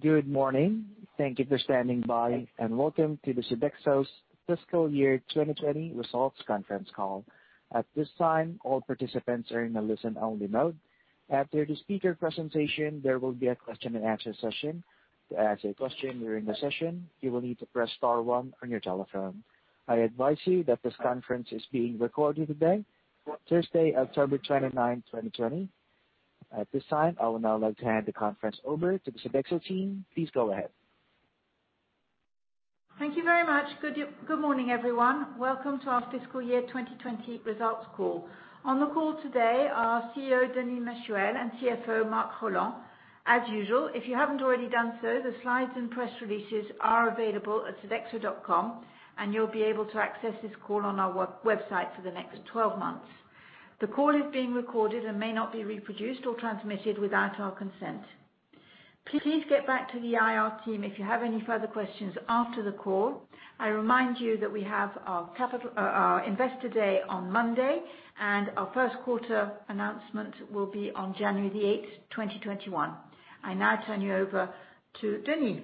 Good morning. Thank you for standing by, and welcome to the Sodexo Fiscal Year 2020 Results Conference Call. At this time, all participants are in a listen-only mode. After the speaker presentation, there will be a question and answer session. To ask a question during the session, you will need to press star one on your telephone. I advise you that this conference is being recorded today, Thursday, October 29, 2020. At this time, I would now like to hand the conference over to the Sodexo team. Please go ahead. Thank you very much. Good morning, everyone. Welcome to our Fiscal Year 2020 Results Call. On the call today are CEO, Denis Machuel, and CFO, Marc Rolland. As usual, if you haven't already done so, the slides and press releases are available at sodexo.com, and you'll be able to access this call on our website for the next 12 months. The call is being recorded and may not be reproduced or transmitted without our consent. Please get back to the IR team if you have any further questions after the call. I remind you that we have our investor day on Monday, and our first quarter announcement will be on January the 8th, 2021. I now turn you over to Denis.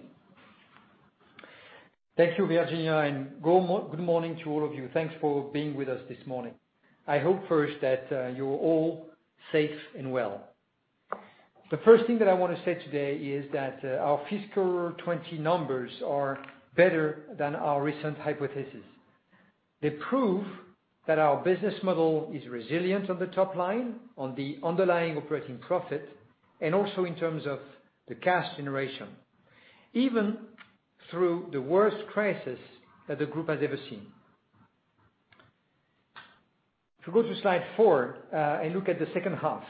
Thank you, Virginia, and good morning to all of you. Thanks for being with us this morning. I hope first that you are all safe and well. The first thing that I want to say today is that our fiscal 2020 numbers are better than our recent hypothesis. They prove that our business model is resilient on the top line, on the underlying operating profit and also in terms of the cash generation, even through the worst crisis that the group has ever seen. If you go to slide four, and look at the second half,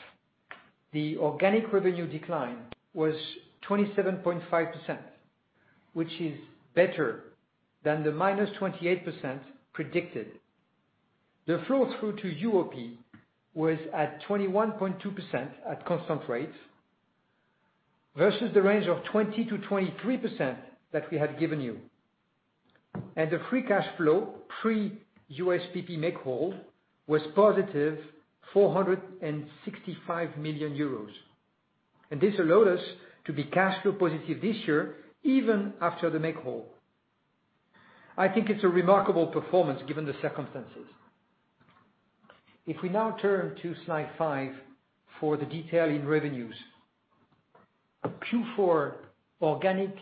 the organic revenue decline was 27.5%, which is better than the -28% predicted. The flow-through to UOP was at 21.2% at constant rates, versus the range of 20%-23% that we had given you. The Free Cash Flow, pre-USPP make whole, was +465 million euros. This allowed us to be cash flow positive this year, even after the make-whole. I think it's a remarkable performance given the circumstances. We now turn to slide five for the detail in revenues. Q4 organic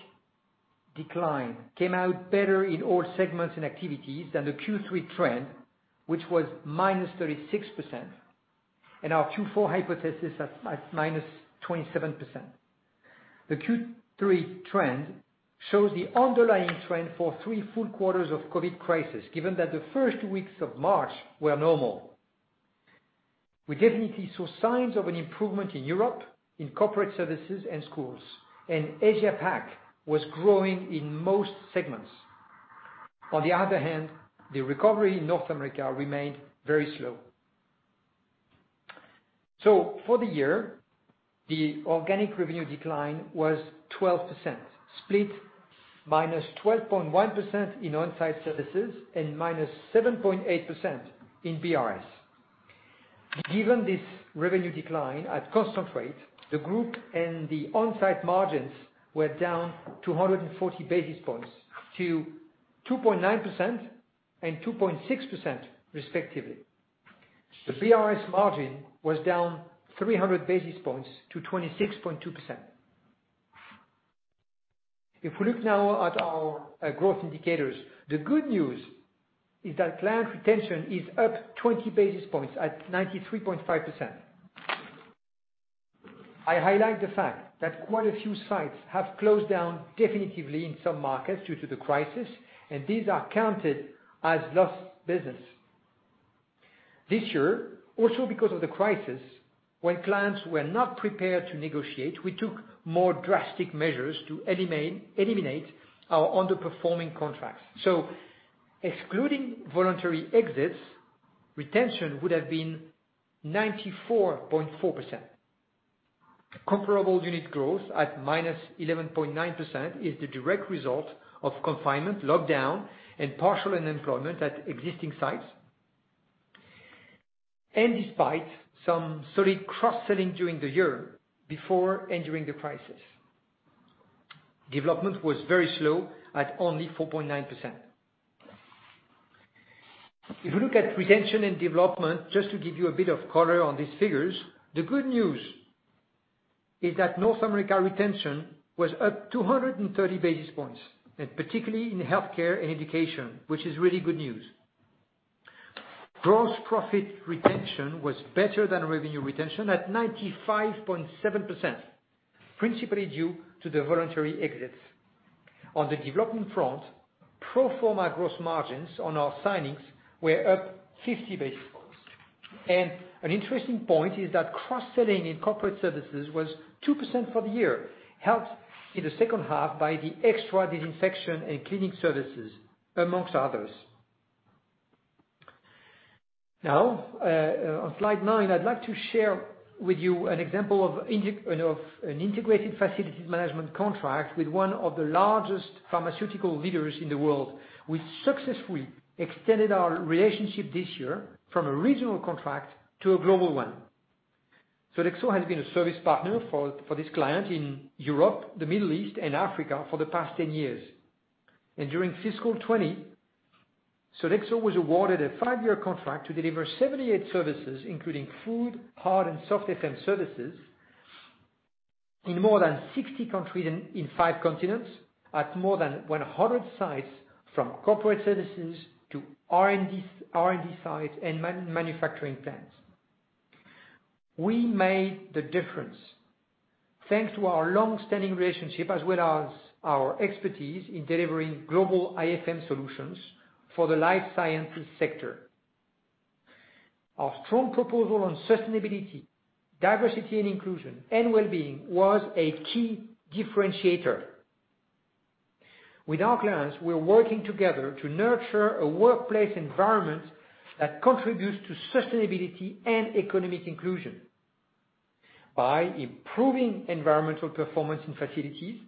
decline came out better in all segments and activities than the Q3 trend, which was minus 36%, and our Q4 hypothesis at minus 27%. The Q3 trend shows the underlying trend for three full quarters of COVID-19 crisis, given that the first weeks of March were normal. We definitely saw signs of an improvement in Europe in corporate services and schools, and Asia PAC was growing in most segments. On the other hand, the recovery in North America remained very slow. For the year, the organic revenue decline was 12%, split minus 12.1% in on-site services and minus 7.8% in BRS. Given this revenue decline at constant rate, the group and the on-site margins were down 240 basis points to 2.9% and 2.6% respectively. The BRS margin was down 300 basis points to 26.2%. If we look now at our growth indicators, the good news is that client retention is up 20 basis points at 93.5%. I highlight the fact that quite a few sites have closed down definitively in some markets due to the crisis, and these are counted as lost business. This year, also because of the crisis, when clients were not prepared to negotiate, we took more drastic measures to eliminate our underperforming contracts. Excluding voluntary exits, retention would have been 94.4%. Comparable unit growth at -11.9% is the direct result of confinement, lockdown, and partial unemployment at existing sites, despite some solid cross-selling during the year, before and during the crisis. Development was very slow at only 4.9%. If you look at retention and development, just to give you a bit of color on these figures, the good news is that North America retention was up 230 basis points, and particularly in healthcare and education, which is really good news. Gross profit retention was better than revenue retention at 95.7%, principally due to the voluntary exits. On the development front, pro forma gross margins on our signings were up 50 basis points. An interesting point is that cross-selling in corporate services was 2% for the year, helped in the second half by the extra disinfection and cleaning services, amongst others. On slide nine, I'd like to share with you an example of an integrated facilities management contract with one of the largest pharmaceutical leaders in the world. We successfully extended our relationship this year from a regional contract to a global one. Sodexo has been a service partner for this client in Europe, the Middle East, and Africa for the past 10 years. During fiscal 2020, Sodexo was awarded a five-year contract to deliver 78 services, including food, hard, and soft FM services in more than 60 countries in five continents at more than 100 sites, from corporate services to R&D sites and manufacturing plants. We made the difference thanks to our long-standing relationship as well as our expertise in delivering global IFM solutions for the life sciences sector. Our strong proposal on sustainability, diversity and inclusion, and wellbeing was a key differentiator. With our clients, we're working together to nurture a workplace environment that contributes to sustainability and economic inclusion by improving environmental performance in facilities,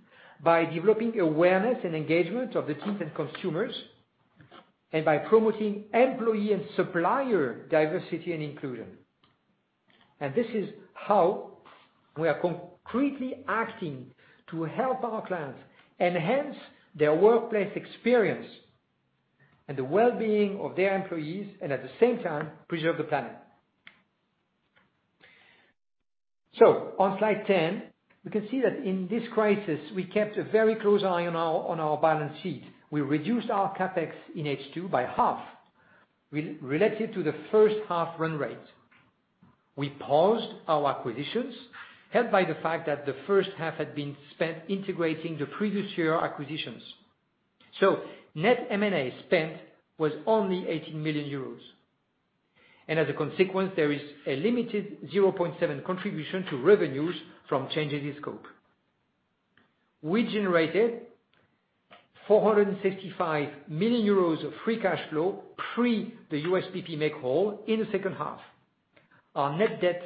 by developing awareness and engagement of the teams and consumers, and by promoting employee and supplier diversity and inclusion. This is how we are concretely acting to help our clients enhance their workplace experience and the wellbeing of their employees and at the same time, preserve the planet. On Slide 10, we can see that in this crisis, we kept a very close eye on our balance sheet. We reduced our CapEx in H2 by half, related to the first-half run rate. We paused our acquisitions, helped by the fact that the first half had been spent integrating the previous year acquisitions. Net M&A spend was only 18 million euros. As a consequence, there is a limited 0.7 contribution to revenues from changes in scope. We generated 465 million euros of Free Cash Flow pre the USPP make-whole in the second half. Our net debt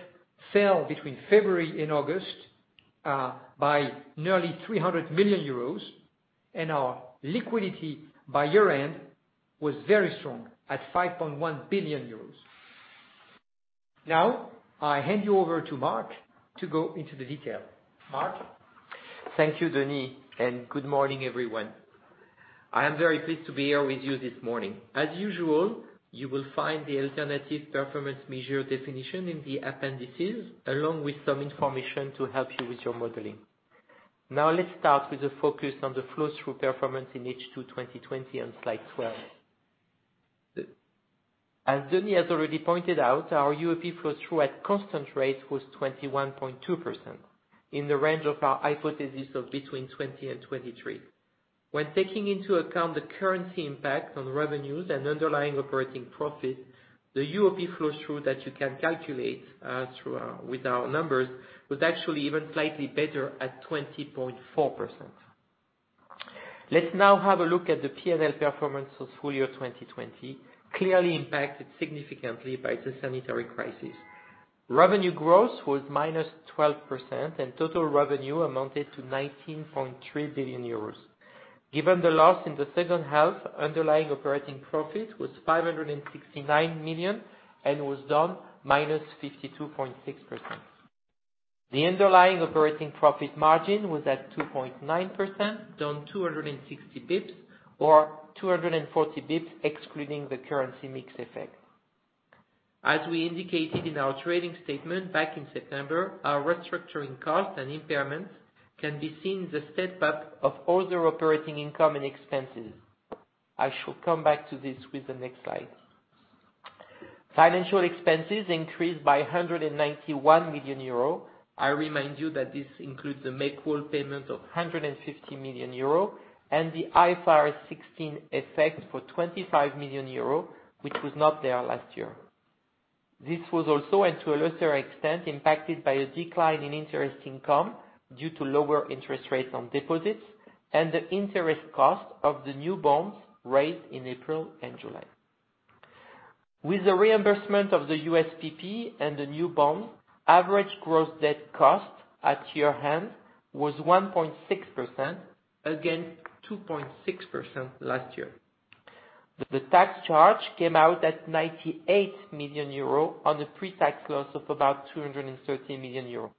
fell between February and August, by nearly 300 million euros, and our liquidity by year-end was very strong at 5.1 billion euros. I hand you over to Marc to go into the detail. Marc? Thank you, Denis. Good morning, everyone. I am very pleased to be here with you this morning. As usual, you will find the alternative performance measure definition in the appendices, along with some information to help you with your modeling. Let's start with the focus on the flow-through performance in H2 2020 on Slide 12. As Denis has already pointed out, our UOP flow-through at constant rates was 21.2% in the range of our hypothesis of between 20% and 23%. When taking into account the currency impact on revenues and Underlying Operating Profit, the UOP flow-through that you can calculate with our numbers was actually even slightly better at 20.4%. Let's now have a look at the P&L performance of full year 2020, clearly impacted significantly by COVID-19. Revenue growth was -12%. Total revenue amounted to 19.3 billion euros. Given the loss in the second half, Underlying Operating Profit was 569 million and was down -52.6%. The Underlying Operating Profit margin was at 2.9%, down 260 bps or 240 bps excluding the currency mix effect. As we indicated in our trading statement back in September, our restructuring cost and impairment can be seen in the step-up of other operating income and expenses. I shall come back to this with the next slide. Financial expenses increased by 191 million euro. I remind you that this includes the make-whole payment of 150 million euro and the IFRS 16 effect for 25 million euro, which was not there last year. This was also, and to a lesser extent, impacted by a decline in interest income due to lower interest rates on deposits and the interest cost of the new bonds raised in April and July. With the reimbursement of the USPP and the new bond average gross debt cost at year-end was 1.6%, against 2.6% last year. The tax charge came out at 98 million euro on a pre-tax loss of about 230 million euro.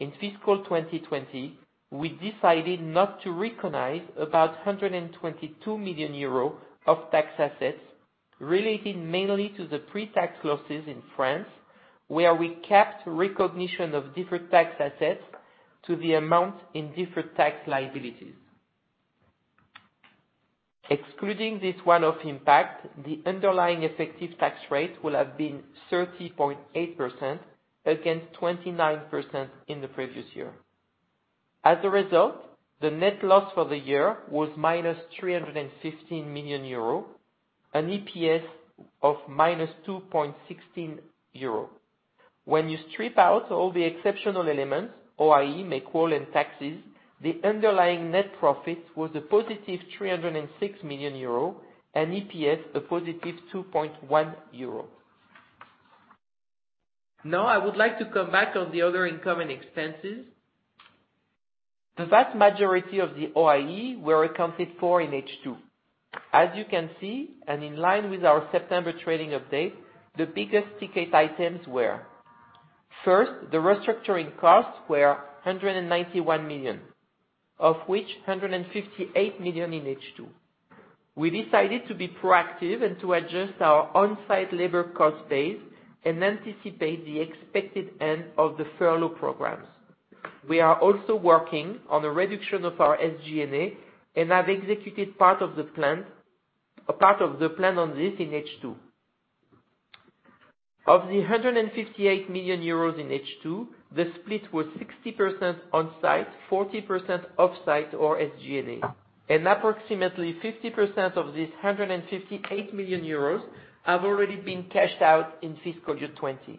In fiscal 2020, we decided not to recognize about 122 million euro of tax assets relating mainly to the pre-tax losses in France, where we kept recognition of deferred tax assets to the amount in deferred tax liabilities. Excluding this one-off impact, the underlying effective tax rate will have been 30.8% against 29% in the previous year. As a result, the net loss for the year was -315 million euro, an EPS of -2.16 euro. When you strip out all the exceptional elements, OIE make-whole and taxes, the underlying net profit was a +306 million euro, an EPS a +2.1 euro. I would like to come back on the other income and expenses. The vast majority of the OIE were accounted for in H2. As you can see, and in line with our September trading update, the biggest ticket items were, first, the restructuring costs were 191 million, of which 158 million in H2. We decided to be proactive and to adjust our on-site labor cost base and anticipate the expected end of the furlough programs. We are also working on a reduction of our SG&A and have executed part of the plan on this in H2. Of the 158 million euros in H2, the split was 60% on-site, 40% off-site or SG&A, and approximately 50% of this 158 million euros have already been cashed out in fiscal year 2020.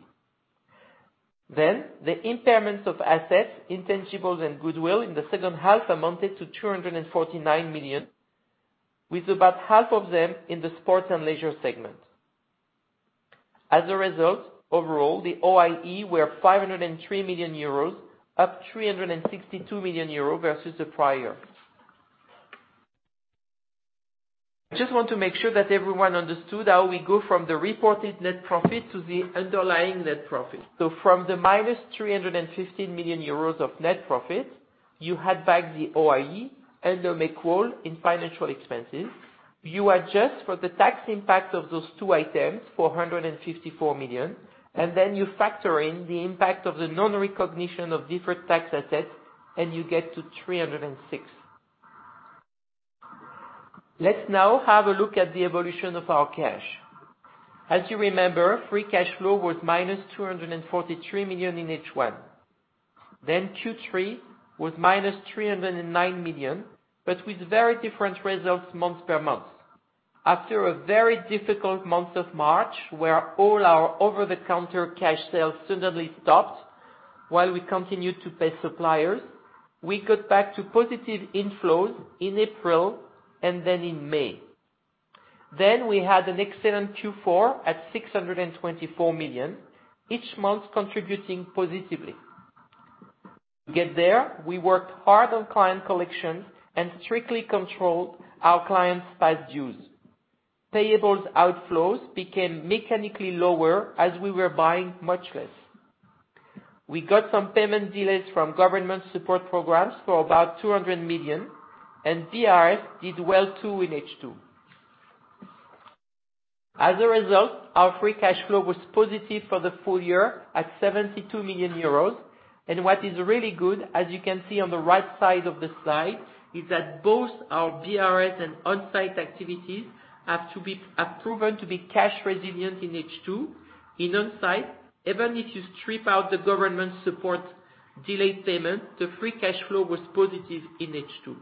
The impairments of assets, intangibles, and goodwill in the second half amounted to 249 million, with about half of them in the sports and leisure segment. Overall, the OIE were 503 million euros, up 362 million euros versus the prior. I just want to make sure that everyone understood how we go from the reported net profit to the underlying net profit. From the -315 million euros of net profit, you add back the OIE and the make-whole in financial expenses. You adjust for the tax impact of those two items for 154 million, and then you factor in the impact of the non-recognition of deferred tax assets, and you get to 306. Let's now have a look at the evolution of our cash. As you remember, Free Cash Flow was -243 million in H1. Q3 was -309 million, but with very different results month-over-month. After a very difficult month of March, where all our over-the-counter cash sales suddenly stopped while we continued to pay suppliers, we got back to positive inflows in April and then in May. We had an excellent Q4 at 624 million, each month contributing positively. To get there, we worked hard on client collections and strictly controlled our clients past dues. Payables outflows became mechanically lower as we were buying much less. We got some payment delays from government support programs for about 200 million, and BRS did well too in H2. As a result, our Free Cash Flow was positive for the full year at 72 million euros. What is really good, as you can see on the right side of the slide, is that both our BRS and on-site activities have proven to be cash resilient in H2. In on-site, even if you strip out the government support delayed payment, the Free Cash Flow was positive in H2.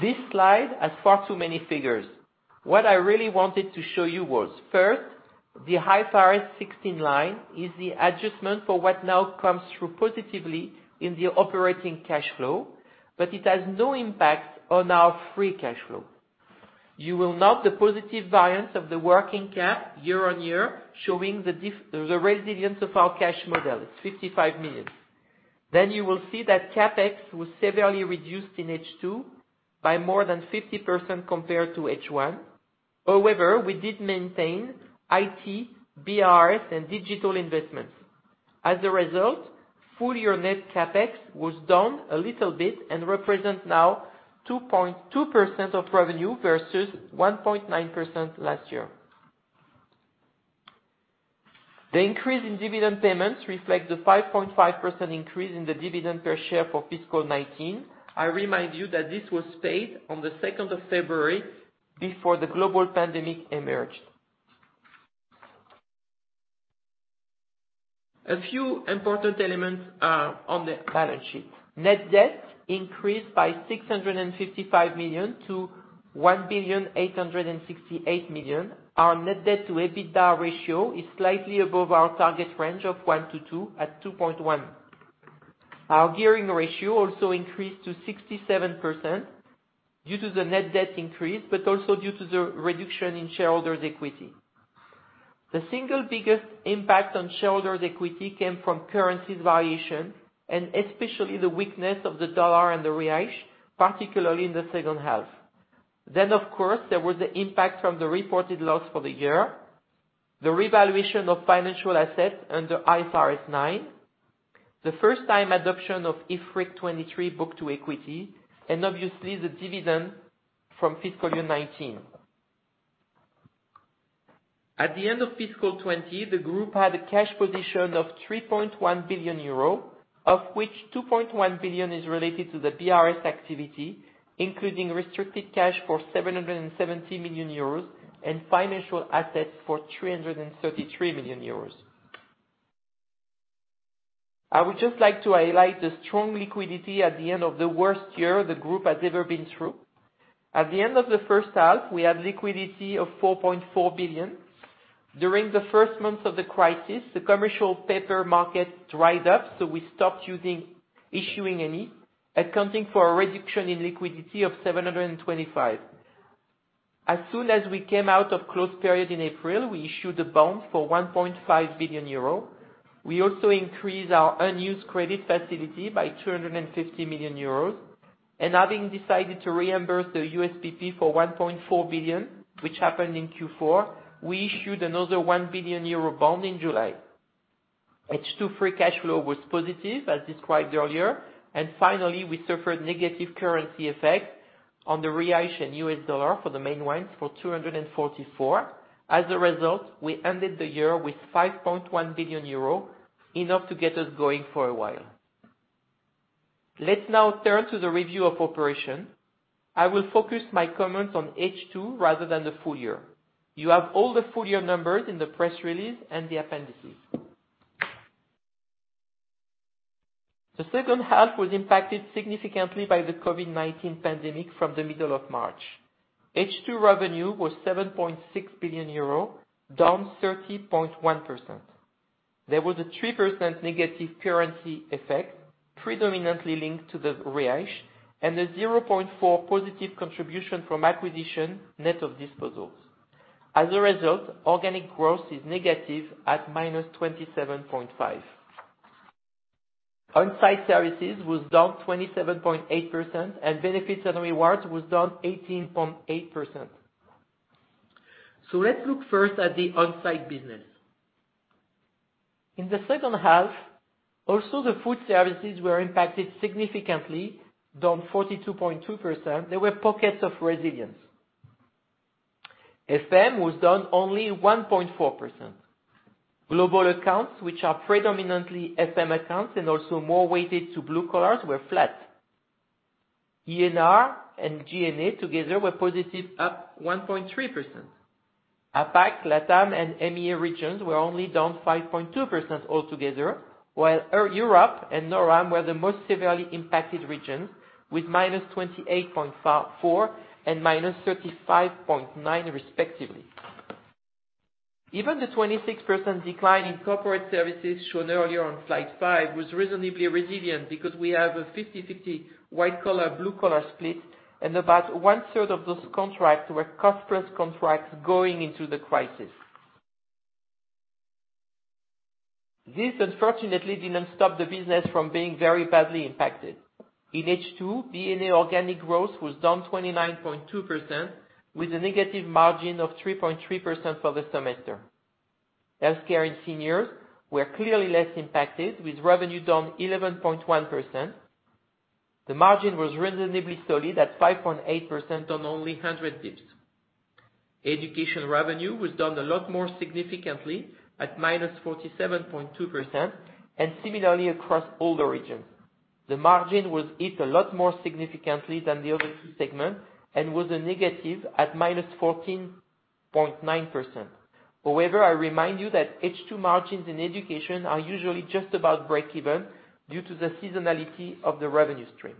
This slide has far too many figures. What I really wanted to show you was, first, the IFRS 16 line is the adjustment for what now comes through positively in the operating cash flow, but it has no impact on our Free Cash Flow. You will note the positive variance of the working cap year-on-year, showing the resilience of our cash model. It's 55 million. You will see that CapEx was severely reduced in H2 by more than 50% compared to H1. However, we did maintain IT, BRS, and digital investments. As a result, full year net CapEx was down a little bit and represents now 2.2% of revenue versus 1.9% last year. The increase in dividend payments reflect the 5.5% increase in the dividend per share for fiscal 2019. I remind you that this was paid on the 2nd of February before the global pandemic emerged. A few important elements are on the balance sheet. Net debt increased by 655 million to 1,868 million. Our net debt to EBITDA ratio is slightly above our target range of 1 to 2 at 2.1. Our gearing ratio also increased to 67% due to the net debt increase, but also due to the reduction in shareholders' equity. The single biggest impact on shareholders' equity came from currency variation, and especially the weakness of the USD and the BRL, particularly in the second half. Of course, there was the impact from the reported loss for the year, the revaluation of financial assets under IFRS 9, the first time adoption of IFRIC 23 book to equity, and obviously the dividend from fiscal year 2019. At the end of fiscal 2020, the group had a cash position of 3.1 billion euro, of which 2.1 billion is related to the BRS activity, including restricted cash for 770 million euros and financial assets for 333 million euros. I would just like to highlight the strong liquidity at the end of the worst year the group has ever been through. At the end of the first half, we had liquidity of 4.4 billion. During the first month of the crisis, the commercial paper market dried up, so we stopped issuing any, accounting for a reduction in liquidity of 725. As soon as we came out of closed period in April, we issued a bond for 1.5 billion euro. We also increased our unused credit facility by 250 million euros. Having decided to reimburse the USPP for 1.4 billion, which happened in Q4, we issued another 1 billion euro bond in July. H2 Free Cash Flow was positive, as described earlier. Finally, we suffered negative currency effect on the real and US dollar for the main ones for 244. As a result, we ended the year with 5.1 billion euro, enough to get us going for a while. Let's now turn to the review of operation. I will focus my comments on H2 rather than the full year. You have all the full year numbers in the press release and the appendices. The second half was impacted significantly by the COVID-19 pandemic from the middle of March. H2 revenue was 7.6 billion euro, down 30.1%. There was a 3% negative currency effect, predominantly linked to the BRL real issue, and a 0.4% positive contribution from acquisition net of disposals. As a result, organic growth is negative at -27.5%. Onsite services was down 27.8%, and Benefits and Rewards was down 18.8%. Let's look first at the onsite business. In the second half, also the Food services were impacted significantly, down 42.2%. There were pockets of resilience. FM was down only 1.4%. Global accounts, which are predominantly FM accounts and also more weighted to blue collars, were flat. E&R and G&A together were positive, up 1.3%. APAC, LATAM, and MEA regions were only down 5.2% altogether, while Europe and NORAM were the most severely impacted regions with -28.4% and -35.9% respectively. Even the 26% decline in corporate services shown earlier on slide five was reasonably resilient because we have a 50/50 white collar, blue collar split, and about one-third of those contracts were cost-plus contracts going into the crisis. This unfortunately didn't stop the business from being very badly impacted. In H2, B&A organic growth was down 29.2% with a negative margin of 3.3% for the semester. Healthcare and seniors were clearly less impacted with revenue down 11.1%. The margin was reasonably solid at 5.8% on only 100 basis points. Education revenue was down a lot more significantly at -47.2%, and similarly across all the regions. The margin was hit a lot more significantly than the other two segments and was a negative at -14.9%. I remind you that H2 margins in education are usually just about break-even due to the seasonality of the revenue streams.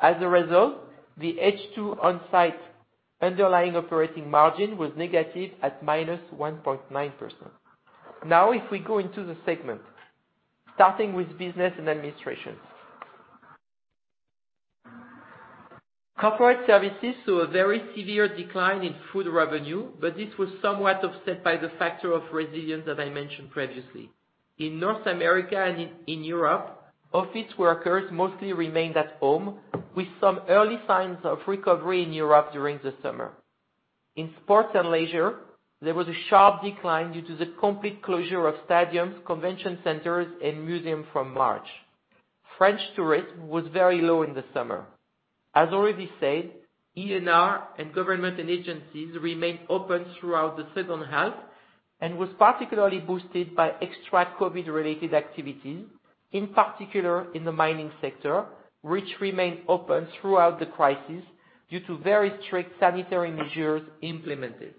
The H2 onsite underlying operating margin was negative at -1.9%. If we go into the segment, starting with Business & Administrations. Corporate services saw a very severe decline in food revenue, this was somewhat offset by the factor of resilience that I mentioned previously. In North America and in Europe, office workers mostly remained at home with some early signs of recovery in Europe during the summer. In sports and leisure, there was a sharp decline due to the complete closure of stadiums, convention centers, and museum from March. French tourism was very low in the summer. As already said, E&R and government and agencies remained open throughout the second half and was particularly boosted by extra COVID-related activities, in particular in the mining sector, which remained open throughout the crisis due to very strict sanitary measures implemented.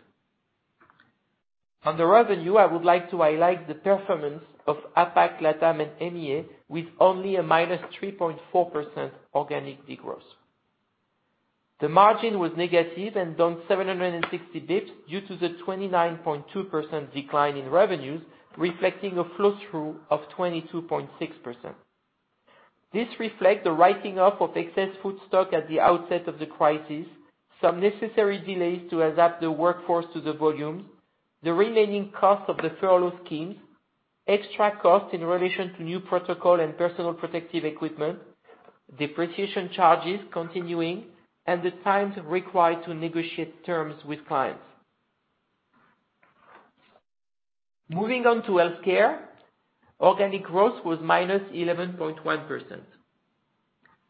On the revenue, I would like to highlight the performance of APAC, LATAM, and MEA, with only a -3.4% organic degrowth. The margin was negative and down 760 basis points due to the 29.2% decline in revenues, reflecting a flow-through of 22.6%. This reflects the writing off of excess food stock at the outset of the crisis, some necessary delays to adapt the workforce to the volumes, the remaining cost of the furlough schemes, extra costs in relation to new protocol and personal protective equipment, depreciation charges continuing, and the times required to negotiate terms with clients. Moving on to healthcare. Organic growth was -11.1%.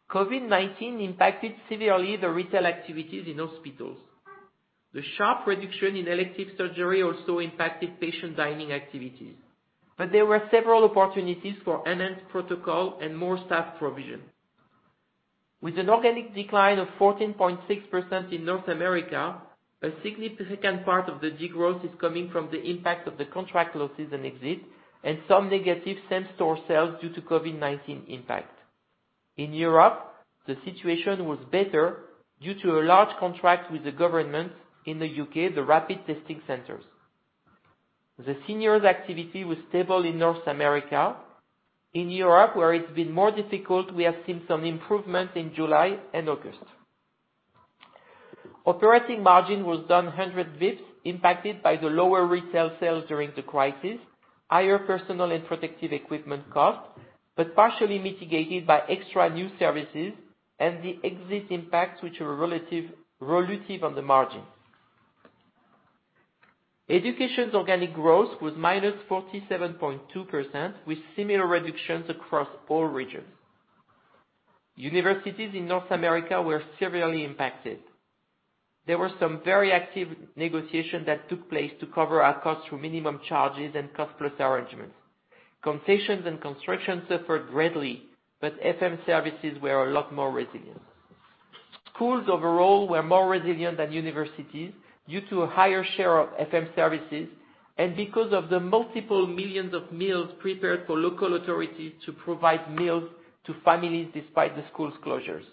COVID-19 impacted severely the retail activities in hospitals. The sharp reduction in elective surgery also impacted patient dining activities. There were several opportunities for enhanced protocol and more staff provision. With an organic decline of 14.6% in North America, a significant part of the degrowth is coming from the impact of the contract losses and exits and some negative same-store sales due to COVID-19 impact. In Europe, the situation was better due to a large contract with the government in the U.K., the rapid testing centers. The seniors activity was stable in North America. In Europe, where it's been more difficult, we have seen some improvement in July and August. Operating margin was down 100 basis points, impacted by the lower retail sales during the crisis, higher personal and protective equipment costs. Partially mitigated by extra new services and the exit impacts, which were relative on the margins. Education's organic growth was -47.2%, with similar reductions across all regions. Universities in North America were severely impacted. There were some very active negotiations that took place to cover our costs through minimum charges and cost-plus arrangements. Concessions and construction suffered greatly but FM services were a lot more resilient. Schools overall were more resilient than universities due to a higher share of FM services and because of the multiple millions of meals prepared for local authorities to provide meals to families despite the school closures.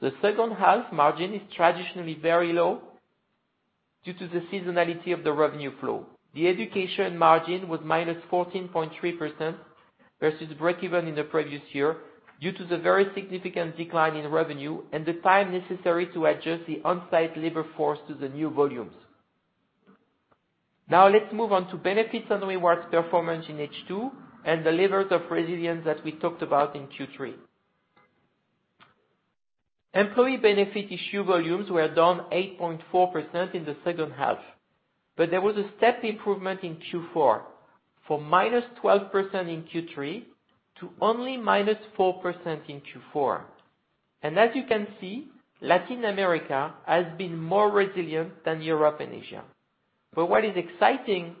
The second half margin is traditionally very low due to the seasonality of the revenue flow. The education margin was -14.3% versus breakeven in the previous year due to the very significant decline in revenue and the time necessary to adjust the on-site labor force to the new volumes. Let's move on to benefits and rewards performance in H2 and the levers of resilience that we talked about in Q3. Employee benefit issue volumes were down 8.4% in the second half, there was a step improvement in Q4 for -12% in Q3 to only -4% in Q4. As you can see, Latin America has been more resilient than Europe and Asia. What is exciting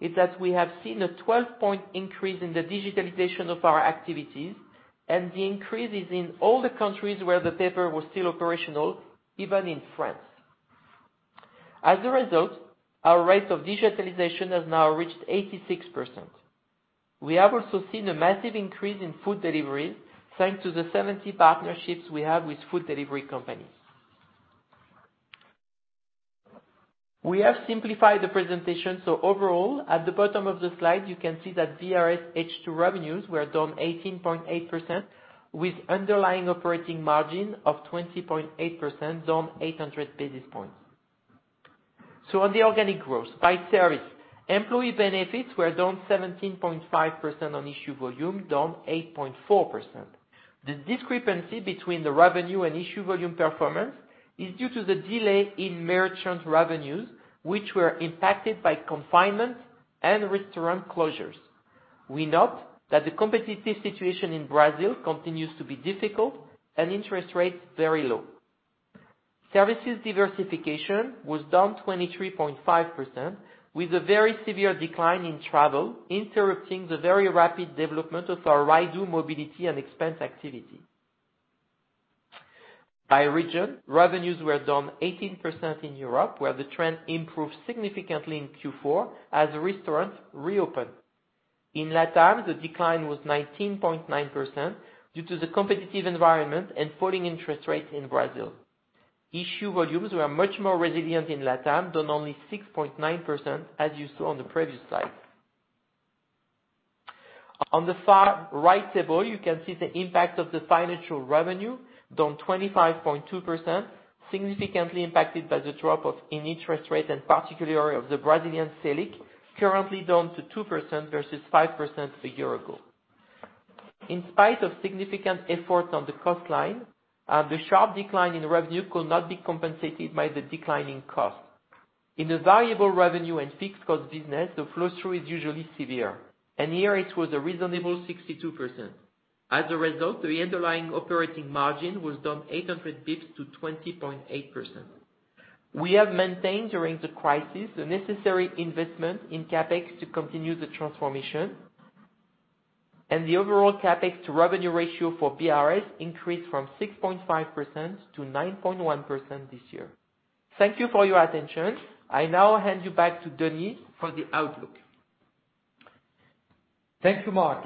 is that we have seen a 12-point increase in the digitalization of our activities, the increase is in all the countries where the paper was still operational, even in France. As a result, our rate of digitalization has now reached 86%. We have also seen a massive increase in food delivery thanks to the 70 partnerships we have with food delivery companies. We have simplified the presentation, overall, at the bottom of the slide, you can see that BRS H2 revenues were down 18.8% with underlying operating margin of 20.8% down 800 basis points. On the organic growth by service, employee benefits were down 17.5% on issue volume, down 8.4%. The discrepancy between the revenue and issue volume performance is due to the delay in merchant revenues, which were impacted by confinement and restaurant closures. We note that the competitive situation in Brazil continues to be difficult and interest rates very low. Services diversification was down 23.5% with a very severe decline in travel, interrupting the very rapid development of our Rydoo mobility and expense activity. By region, revenues were down 18% in Europe, where the trend improved significantly in Q4 as restaurants reopened. In Latam, the decline was 19.9% due to the competitive environment and falling interest rates in Brazil. Issue volumes were much more resilient in Latam, down only 6.9%, as you saw on the previous slide. On the far right table, you can see the impact of the financial revenue, down 25.2%, significantly impacted by the drop in interest rates and particularly of the Brazilian Selic, currently down to 2% versus 5% a year ago. In spite of significant efforts on the cost line, the sharp decline in revenue could not be compensated by the decline in cost. In the variable revenue and fixed cost business, the flow-through is usually severe and here it was a reasonable 62%. As a result, the underlying operating margin was down 800 basis points to 20.8%. We have maintained during the crisis the necessary investment in CapEx to continue the transformation. The overall CapEx to revenue ratio for BRS increased from 6.5% to 9.1% this year. Thank you for your attention. I now hand you back to Denis for the outlook. Thank you, Marc.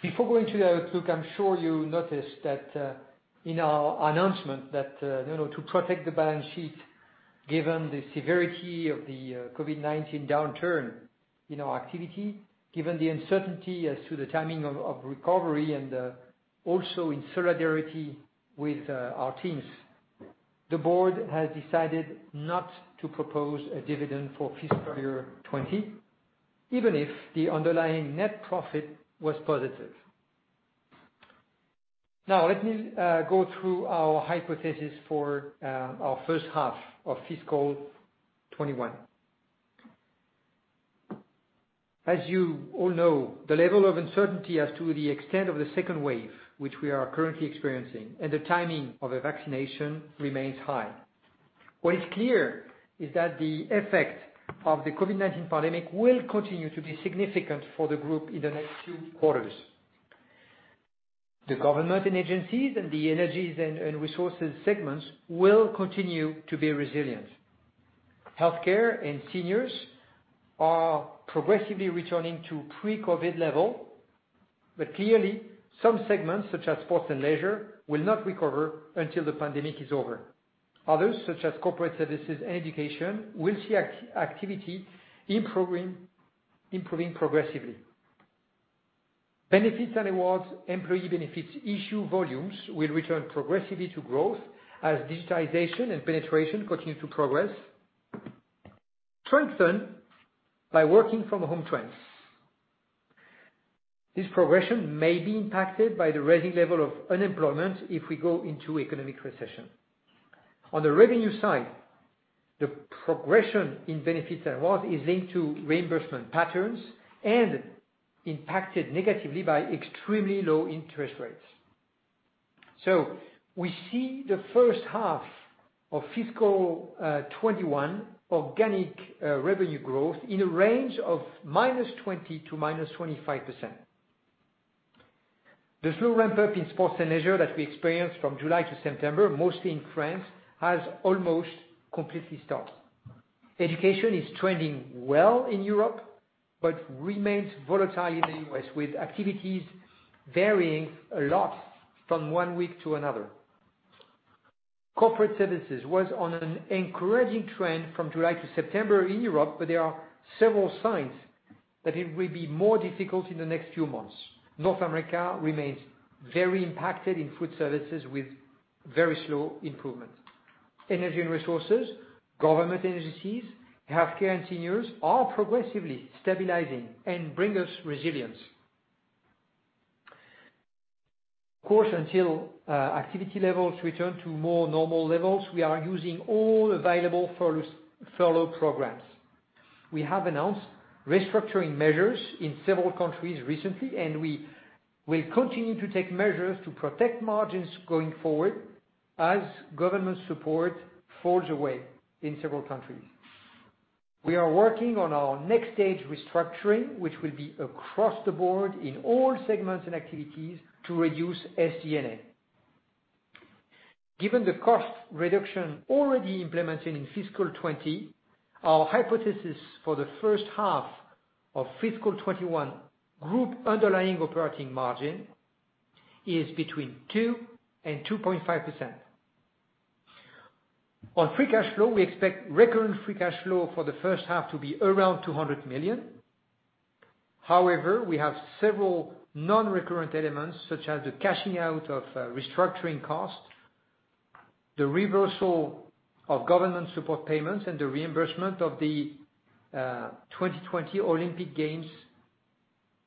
Before going to the outlook, I am sure you noticed that in our announcement that in order to protect the balance sheet, given the severity of the COVID-19 downturn in our activity, given the uncertainty as to the timing of recovery and also in solidarity with our teams, the board has decided not to propose a dividend for fiscal year 2020, even if the underlying net profit was positive. Now, let me go through our hypothesis for our first half of fiscal 2021. As you all know, the level of uncertainty as to the extent of the second wave, which we are currently experiencing, and the timing of a vaccination remains high. What is clear is that the effect of the COVID-19 pandemic will continue to be significant for the group in the next two quarters. The government and agencies and the Energy & Resources segments will continue to be resilient. Healthcare and seniors are progressively returning to pre-COVID level. Clearly, some segments such as sports and leisure, will not recover until the pandemic is over. Others, such as corporate services and education, will see activity improving progressively. Benefits and Rewards, employee benefits issue volumes will return progressively to growth as digitization and penetration continue to progress, strengthened by working from home trends. This progression may be impacted by the rising level of unemployment if we go into economic recession. On the revenue side, the progression in Benefits and Rewards is linked to reimbursement patterns and impacted negatively by extremely low interest rates. We see the first half of fiscal 2021 organic revenue growth in a range of -20% to -25%. The slow ramp-up in sports and leisure that we experienced from July to September, mostly in France, has almost completely stopped. Education is trending well in Europe, but remains volatile in the U.S., with activities varying a lot from one week to another. Corporate services was on an encouraging trend from July to September in Europe, but there are several signs that it will be more difficult in the next few months. North America remains very impacted in food services with very slow improvement. Energy and resources, government agencies, healthcare, and seniors are progressively stabilizing and bring us resilience. Of course, until activity levels return to more normal levels, we are using all available furlough programs. We have announced restructuring measures in several countries recently and we will continue to take measures to protect margins going forward as government support falls away in several countries. We are working on our next stage restructuring, which will be across the board in all segments and activities to reduce SG&A. Given the cost reduction already implemented in fiscal 2020, our hypothesis for the first half of fiscal 2021 group underlying operating margin is between 2% and 2.5%. On Free Cash Flow, we expect recurrent Free Cash Flow for the first half to be around 200 million. We have several non-recurrent elements, such as the cashing out of restructuring costs, the reversal of government support payments, and the reimbursement of the 2020 Olympic Games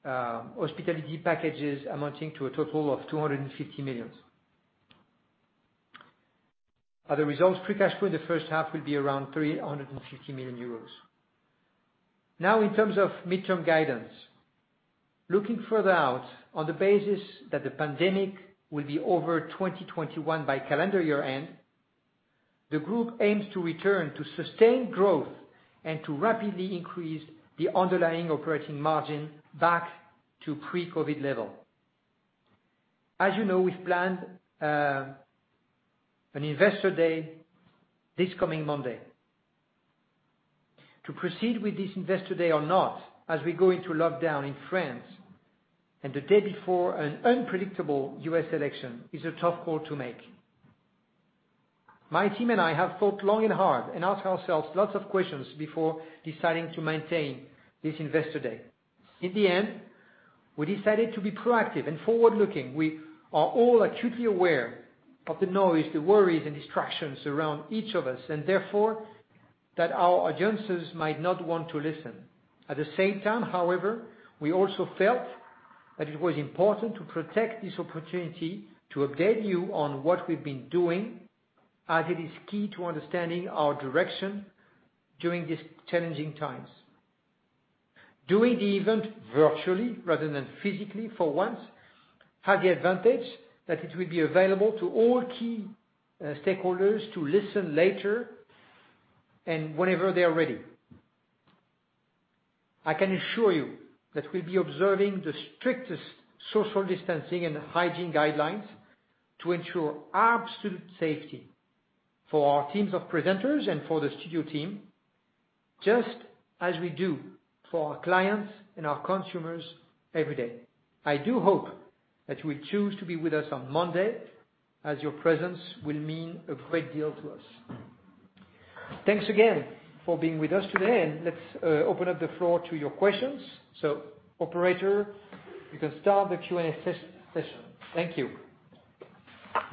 hospitality packages amounting to a total of 250 million. Free Cash Flow in the first half will be around 350 million euros. In terms of midterm guidance. Looking further out on the basis that the pandemic will be over 2021 by calendar year-end, the group aims to return to sustained growth and to rapidly increase the underlying operating margin back to pre-COVID level. As you know, we've planned an investor day this coming Monday. To proceed with this investor day or not, as we go into lockdown in France, and the day before an unpredictable U.S. election, is a tough call to make. My team and I have thought long and hard and asked ourselves lots of questions before deciding to maintain this investor day. In the end, we decided to be proactive and forward-looking. We are all acutely aware of the noise, the worries, and distractions around each of us, and therefore, that our audiences might not want to listen. At the same time, however, we also felt that it was important to protect this opportunity to update you on what we've been doing as it is key to understanding our direction during these challenging times. Doing the event virtually rather than physically for once, had the advantage that it will be available to all key stakeholders to listen later and whenever they are ready. I can assure you that we'll be observing the strictest social distancing and hygiene guidelines to ensure absolute safety for our teams of presenters and for the studio team, just as we do for our clients and our consumers every day. I do hope that you will choose to be with us on Monday, as your presence will mean a great deal to us. Thanks again for being with us today, and let's open up the floor to your questions. Operator, you can start the Q&A session. Thank you.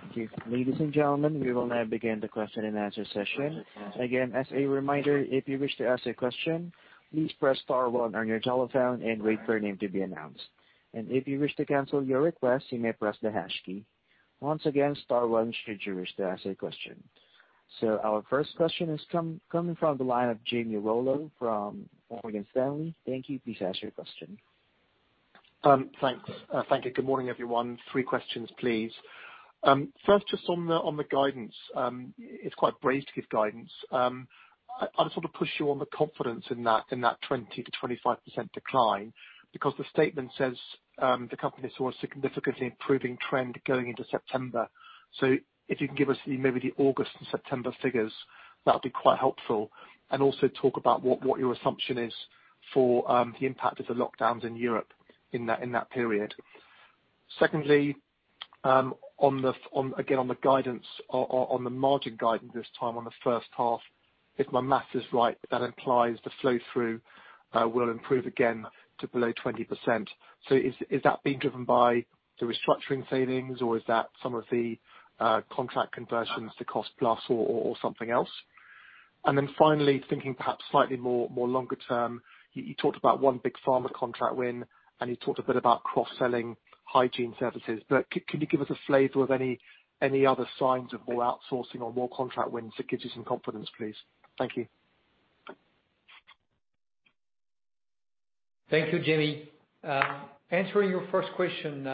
Thank you. Ladies and gentlemen, we will now begin the question and answer session. Again, as a reminder, if you wish to ask a question, please press star one on your telephone and wait for your name to be announced. If you wish to cancel your request, you may press the hash key. Once again, star one should you wish to ask a question. Our first question is coming from the line of Jamie Rollo from Morgan Stanley. Thank you. Please ask your question. Thanks. Thank you. Good morning, everyone. Three questions, please. First, just on the guidance. It's quite brave to give guidance. I want to push you on the confidence in that 20% to 25% decline, because the statement says the company saw a significantly improving trend going into September. If you can give us maybe the August and September figures, that'd be quite helpful. Also talk about what your assumption is for the impact of the lockdowns in Europe in that period. Secondly, again on the margin guidance this time on the first half, if my math is right, that implies the flow-through will improve again to below 20%. Is that being driven by the restructuring savings or is that some of the contract conversions to cost-plus or something else? Finally, thinking perhaps slightly more longer term, you talked about one big pharma contract win, you talked a bit about cross-selling hygiene services, can you give us a flavor of any other signs of more outsourcing or more contract wins that gives you some confidence, please? Thank you. Thank you, Jamie. Answering your first question.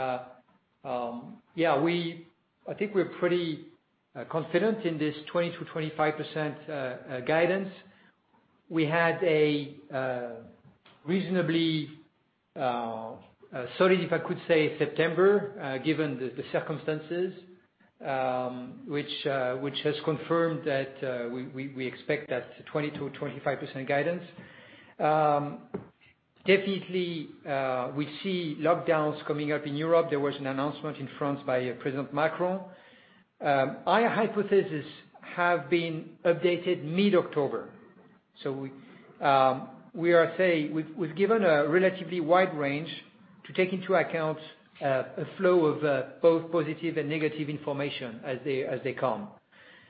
I think we're pretty confident in this 20% to 25% guidance. We had a reasonably solid, if I could say, September, given the circumstances, which has confirmed that we expect that 20% to 25% guidance. Definitely, we see lockdowns coming up in Europe. There was an announcement in France by President Macron. Our hypothesis have been updated mid-October. We've given a relatively wide range to take into account a flow of both positive and negative information as they come.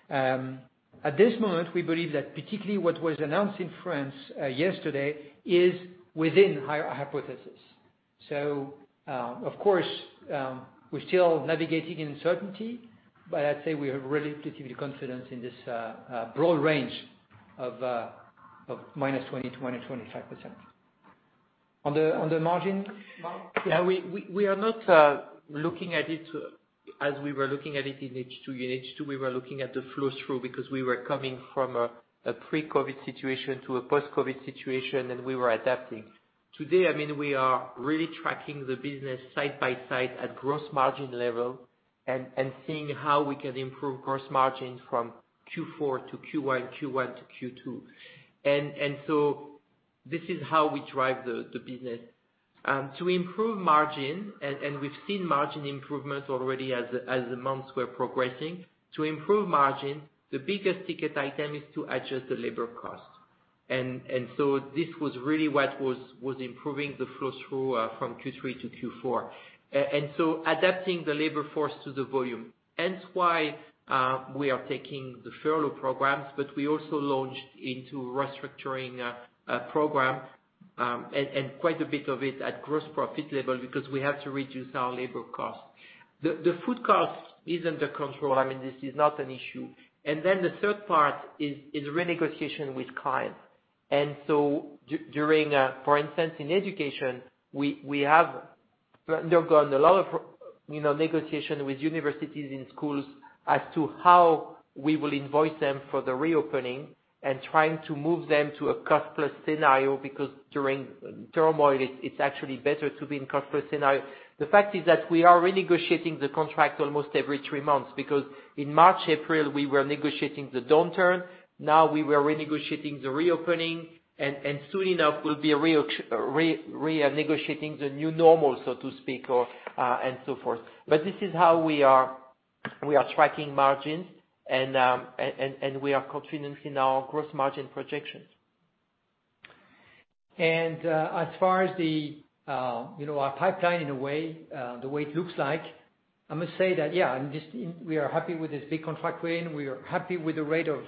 At this moment, we believe that particularly what was announced in France yesterday is within our hypothesis. Of course, we're still navigating in uncertainty, but I'd say we are relatively confident in this broad range of -20%-25%. On the margin, Marc? We are not looking at it as we were looking at it in H2. In H2, we were looking at the flow-through because we were coming from a pre-COVID situation to a post-COVID situation, we were adapting. Today, we are really tracking the business side by side at gross margin level seeing how we can improve gross margin from Q4 to Q1 to Q2. This is how we drive the business. To improve margin, we've seen margin improvements already as the months were progressing. To improve margin, the biggest ticket item is to adjust the labor cost. This was really what was improving the flow-through from Q3 to Q4. Adapting the labor force to the volume, hence why we are taking the furlough programs but we also launched into restructuring a program, and quite a bit of it at gross profit level because we have to reduce our labor cost. The food cost is under control. This is not an issue. The third part is renegotiation with clients. During, for instance, in education, we have undergone a lot of negotiation with universities and schools as to how we will invoice them for the reopening and trying to move them to a cost-plus scenario, because during turmoil, it's actually better to be in cost-plus scenario. The fact is that we are renegotiating the contract almost every three months, because in March, April, we were negotiating the downturn. We were renegotiating the reopening, and soon enough, we'll be renegotiating the new normal, so to speak, and so forth. This is how we are tracking margins, and we are confident in our gross margin projections. As far as our pipeline, in a way, the way it looks like, I must say that, yeah, we are happy with this big contract win. We are happy with the rate of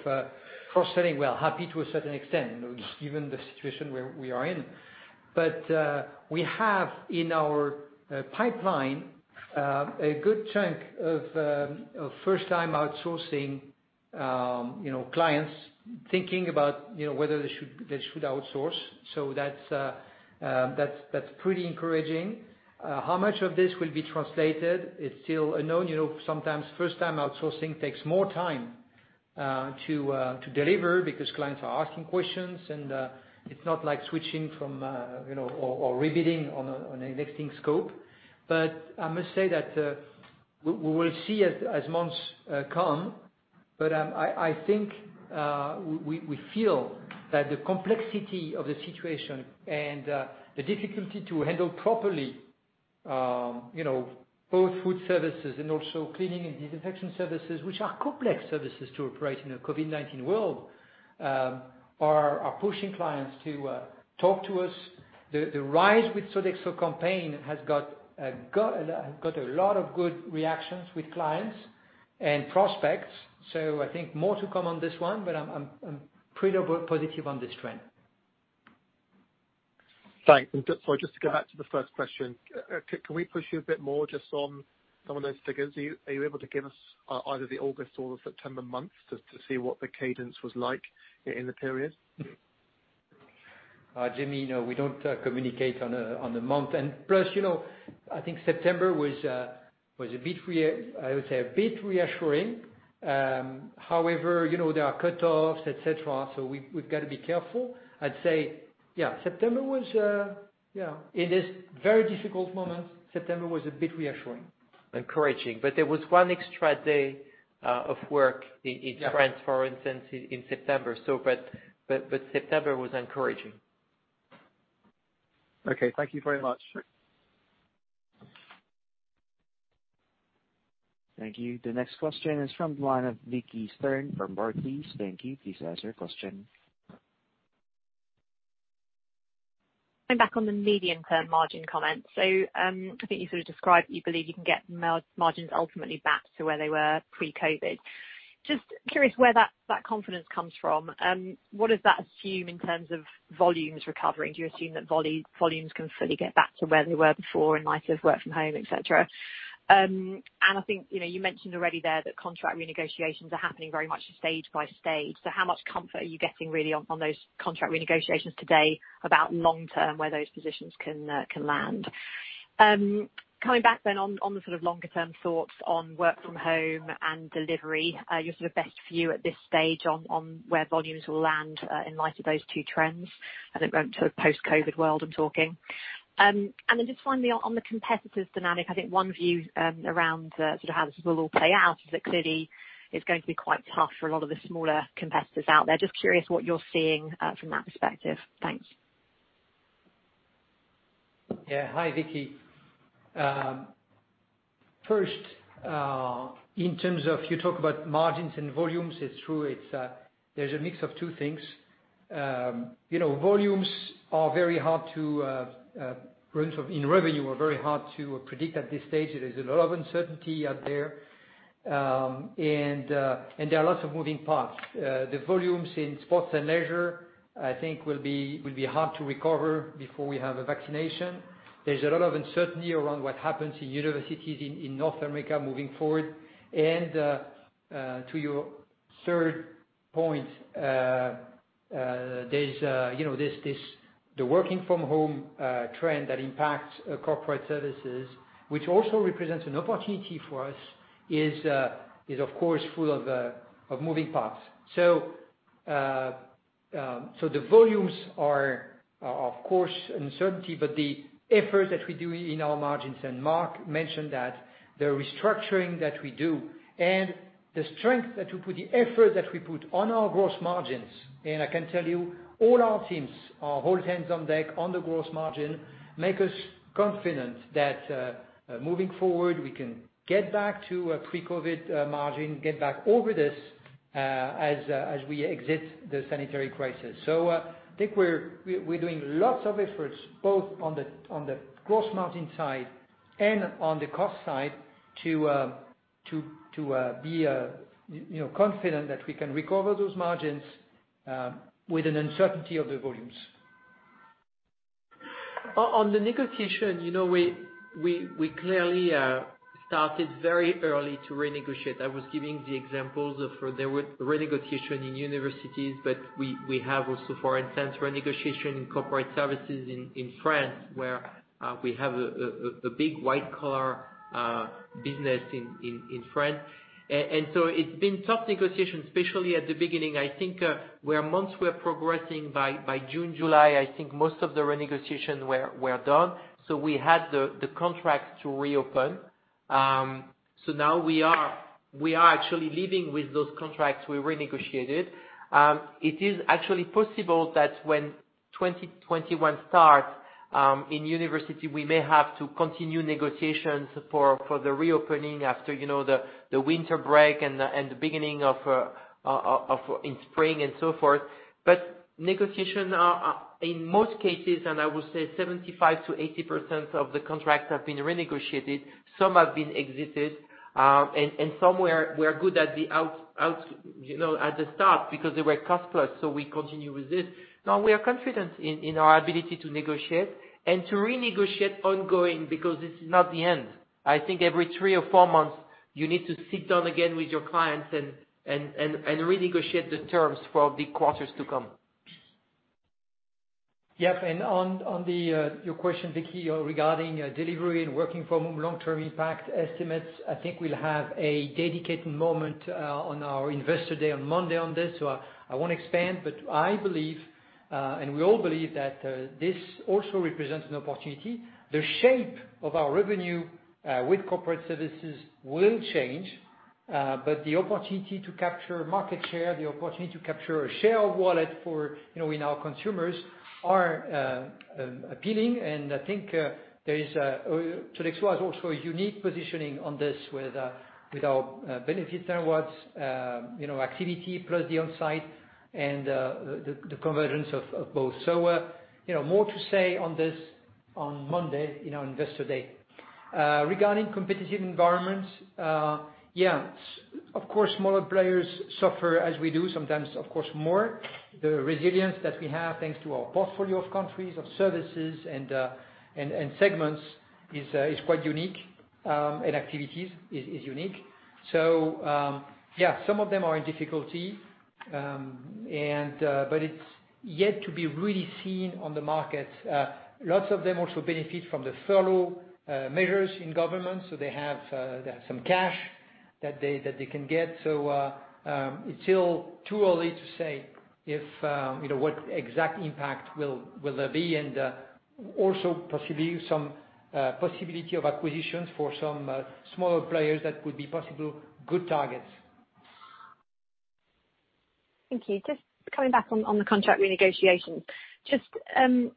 cross-selling. Well, happy to a certain extent, given the situation where we are in. We have in our pipeline, a good chunk of first-time outsourcing clients thinking about whether they should outsource. That's pretty encouraging. How much of this will be translated is still unknown. Sometimes first-time outsourcing takes more time to deliver because clients are asking questions and it's not like switching or re-bidding on an existing scope. I must say that we will see as months come, but I think we feel that the complexity of the situation and the difficulty to handle properly both food services and also cleaning and disinfection services, which are complex services to operate in a COVID-19 world, are pushing clients to talk to us. The Rise with Sodexo campaign has got a lot of good reactions with clients and prospects. I think more to come on this one, but I'm pretty positive on this trend. Thanks. Sorry, just to go back to the first question. Can we push you a bit more just on some of those figures? Are you able to give us either the August or the September months to see what the cadence was like in the period? Jamie, no, we don't communicate on the month. Plus, you know, I think September was, I would say, a bit reassuring. However, there are cut-offs, et cetera, so we've got to be careful. I'd say, yeah. In this very difficult moment, September was a bit reassuring. Encouraging. There was one extra day of work in France, for instance, in September. September was encouraging. Okay, thank you very much. Thank you. The next question is from the line of Vicki Stern from Barclays. Vicki, please ask your question. I'm back on the medium-term margin comments. I think you sort of described you believe you can get margins ultimately back to where they were pre-COVID. Just curious where that confidence comes from? What does that assume in terms of volumes recovering? Do you assume that volumes can fully get back to where they were before in light of work from home, et cetera? I think, you mentioned already there that contract renegotiations are happening very much stage by stage. How much comfort are you getting really on those contract renegotiations today about long-term, where those positions can land? Coming back then on the sort of longer term thoughts on work from home and delivery, your sort of best view at this stage on where volumes will land, in light of those two trends, I think going to a post-COVID world, I'm talking. Just finally on the competitive dynamic, I think one view around sort of how this will all play out is that clearly it’s going to be quite tough for a lot of the smaller competitors out there. Just curious what you’re seeing from that perspective. Thanks. Hi, Vicki. First, in terms of you talk about margins and volumes, it's true, there's a mix of two things. Volumes in revenue are very hard to predict at this stage. There is a lot of uncertainty out there. There are lots of moving parts. The volumes in sports and leisure, I think will be hard to recover before we have a vaccination. There's a lot of uncertainty around what happens in universities in North America moving forward. To your third point, the working from home trend that impacts corporate services, which also represents an opportunity for us, is of course full of moving parts. The volumes are of course uncertainty, but the effort that we do in our margins, and Marc mentioned that the restructuring that we do and the strength that we put, the effort that we put on our gross margins, and I can tell you all our teams are all hands on deck on the gross margin, make us confident that moving forward, we can get back to a pre-COVID-19 margin, get back over this, as we exit the sanitary crisis. I think we're doing lots of efforts both on the gross margin side and on the cost side to be confident that we can recover those margins with an uncertainty of the volumes. On the negotiation, we clearly started very early to renegotiate. I was giving the examples of where there were renegotiation in universities, but we have also for instance, renegotiation in corporate services in France, where we have a big white collar business in France. It's been tough negotiations, especially at the beginning. I think where months were progressing by June, July, I think most of the renegotiations were done. We had the contract to reopen. Now we are actually living with those contracts we renegotiated. It is actually possible that when 2021 starts, in university, we may have to continue negotiations for the reopening after the winter break and the beginning in spring and so forth. Negotiation, in most cases, and I will say 75% to 80% of the contracts have been renegotiated. Some have been exited. Some were good at the start because they were cost-plus, so we continue with it. Now we are confident in our ability to negotiate and to renegotiate ongoing, because this is not the end. I think every three or four months you need to sit down again with your clients and renegotiate the terms for the quarters to come. Yep. On your question, Vicki, regarding delivery and working from home long-term impact estimates, I think we'll have a dedicated moment on our Investor Day on Monday on this, so I won't expand, but I believe, and we all believe that this also represents an opportunity. The shape of our revenue with corporate services will change. The opportunity to capture market share, the opportunity to capture a share of wallet in our consumers are appealing. I think Sodexo has also a unique positioning on this with our benefit rewards, activity plus the onsite and the convergence of both. More to say on this on Monday, on Investor Day. Regarding competitive environments, yeah, of course, smaller players suffer as we do sometimes, of course, more. The resilience that we have, thanks to our portfolio of countries, of services and segments is quite unique, and activities is unique. Yeah, some of them are in difficulty. It's yet to be really seen on the market. Lots of them also benefit from the furlough measures in government. They have some cash that they can get. It's still too early to say what exact impact will there be and also some possibility of acquisitions for some smaller players that could be possible good targets. Thank you. Just coming back on the contract renegotiation. Just, in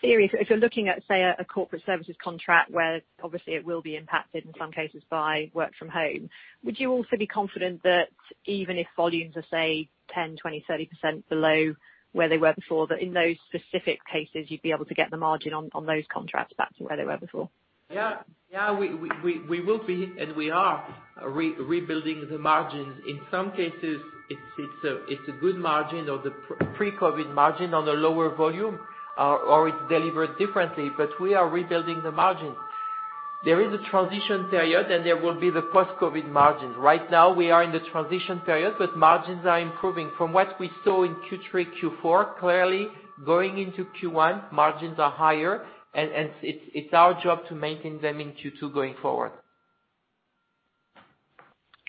theory, if you're looking at, say, a corporate services contract where obviously it will be impacted in some cases by work from home, would you also be confident that even if volumes are, say, 10%, 20%, 30% below where they were before, that in those specific cases, you'd be able to get the margin on those contracts back to where they were before? Yeah. We will be, and we are rebuilding the margins. In some cases, it's a good margin or the pre-COVID margin on a lower volume or it's delivered differently. We are rebuilding the margin. There is a transition period, and there will be the post-COVID margins. Right now, we are in the transition period but margins are improving. From what we saw in Q3, Q4, clearly going into Q1, margins are higher and it's our job to maintain them in Q2 going forward.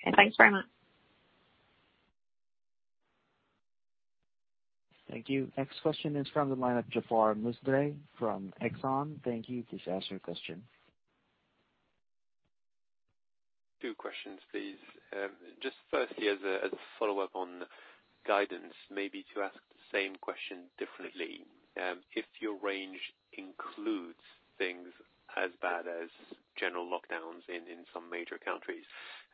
Okay. Thanks very much. Thank you. Next question is from the line of Jaafar Mestari from Exane. Thank you. Please ask your question. Two questions, please. Firstly, as a follow-up on guidance, maybe to ask the same question differently. If your range includes things as bad as general lockdowns in some major countries,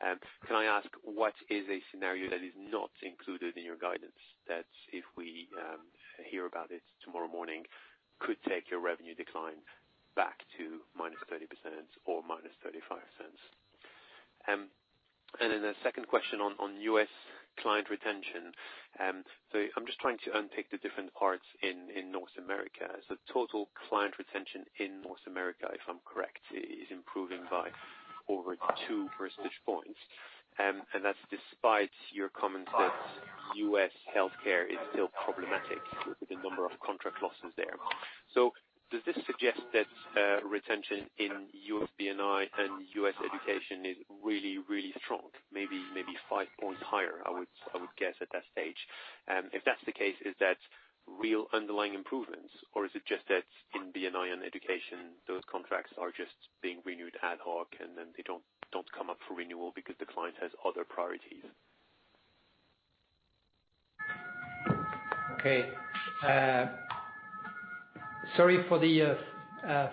can I ask what is a scenario that is not included in your guidance that if we hear about it tomorrow morning, could take your revenue decline back to -30% or -35%? A second question on U.S. client retention. I'm just trying to unpick the different parts in North America. Total client retention in North America, if I'm correct, is improving by over 2 percentage points. That's despite your comment that U.S. healthcare is still problematic with the number of contract losses there. Does this suggest that retention in U.S. B&A and U.S. education is really, really strong, maybe five points higher, I would guess at that stage. If that's the case, is that real underlying improvements, or is it just that in B&A and education, those contracts are just being renewed ad hoc, and then they don't come up for renewal because the client has other priorities? Okay. Sorry for the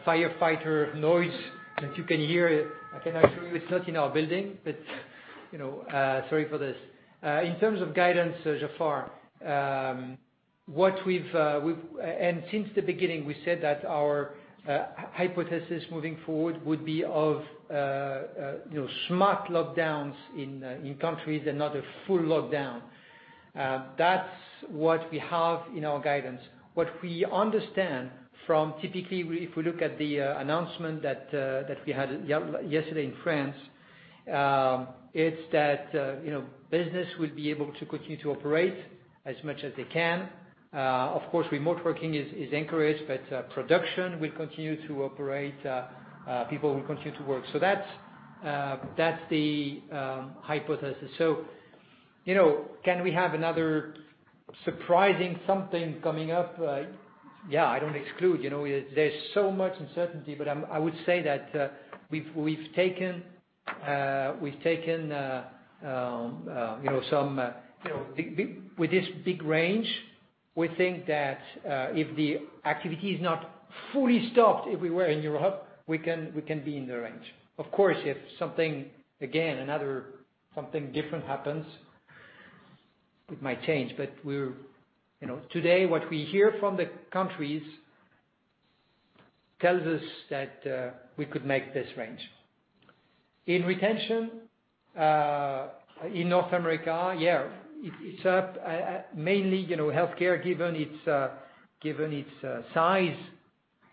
firefighter noise that you can hear. I can assure you it's not in our building, but sorry for this. In terms of guidance, Jaafar, since the beginning, we said that our hypothesis moving forward would be of smart lockdowns in countries and not a full lockdown. That's what we have in our guidance. What we understand from, typically, if we look at the announcement that we had yesterday in France, it's that business will be able to continue to operate as much as they can. Of course, remote working is encouraged but production will continue to operate. People will continue to work. That's the hypothesis. Can we have another surprising something coming up? Yeah, I don't exclude. There's so much uncertainty, but I would say that with this big range, we think that if the activity is not fully stopped everywhere in Europe, we can be in the range. Of course, if something, again, another something different happens, it might change. Today, what we hear from the countries tells us that we could make this range. In retention in North America, yeah, it's up. Mainly healthcare, given its size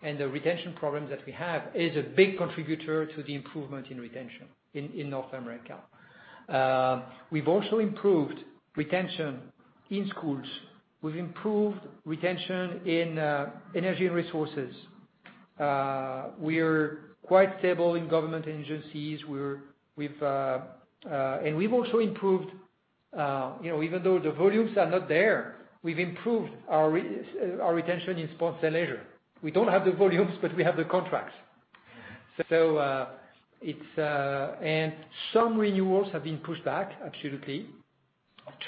and the retention problems that we have, is a big contributor to the improvement in retention in North America. We've also improved retention in schools. We've improved retention in Energy & Resources. We're quite stable in government agencies. We've also improved, even though the volumes are not there, we've improved our retention in sports and leisure. We don't have the volumes but we have the contracts. Some renewals have been pushed back, absolutely.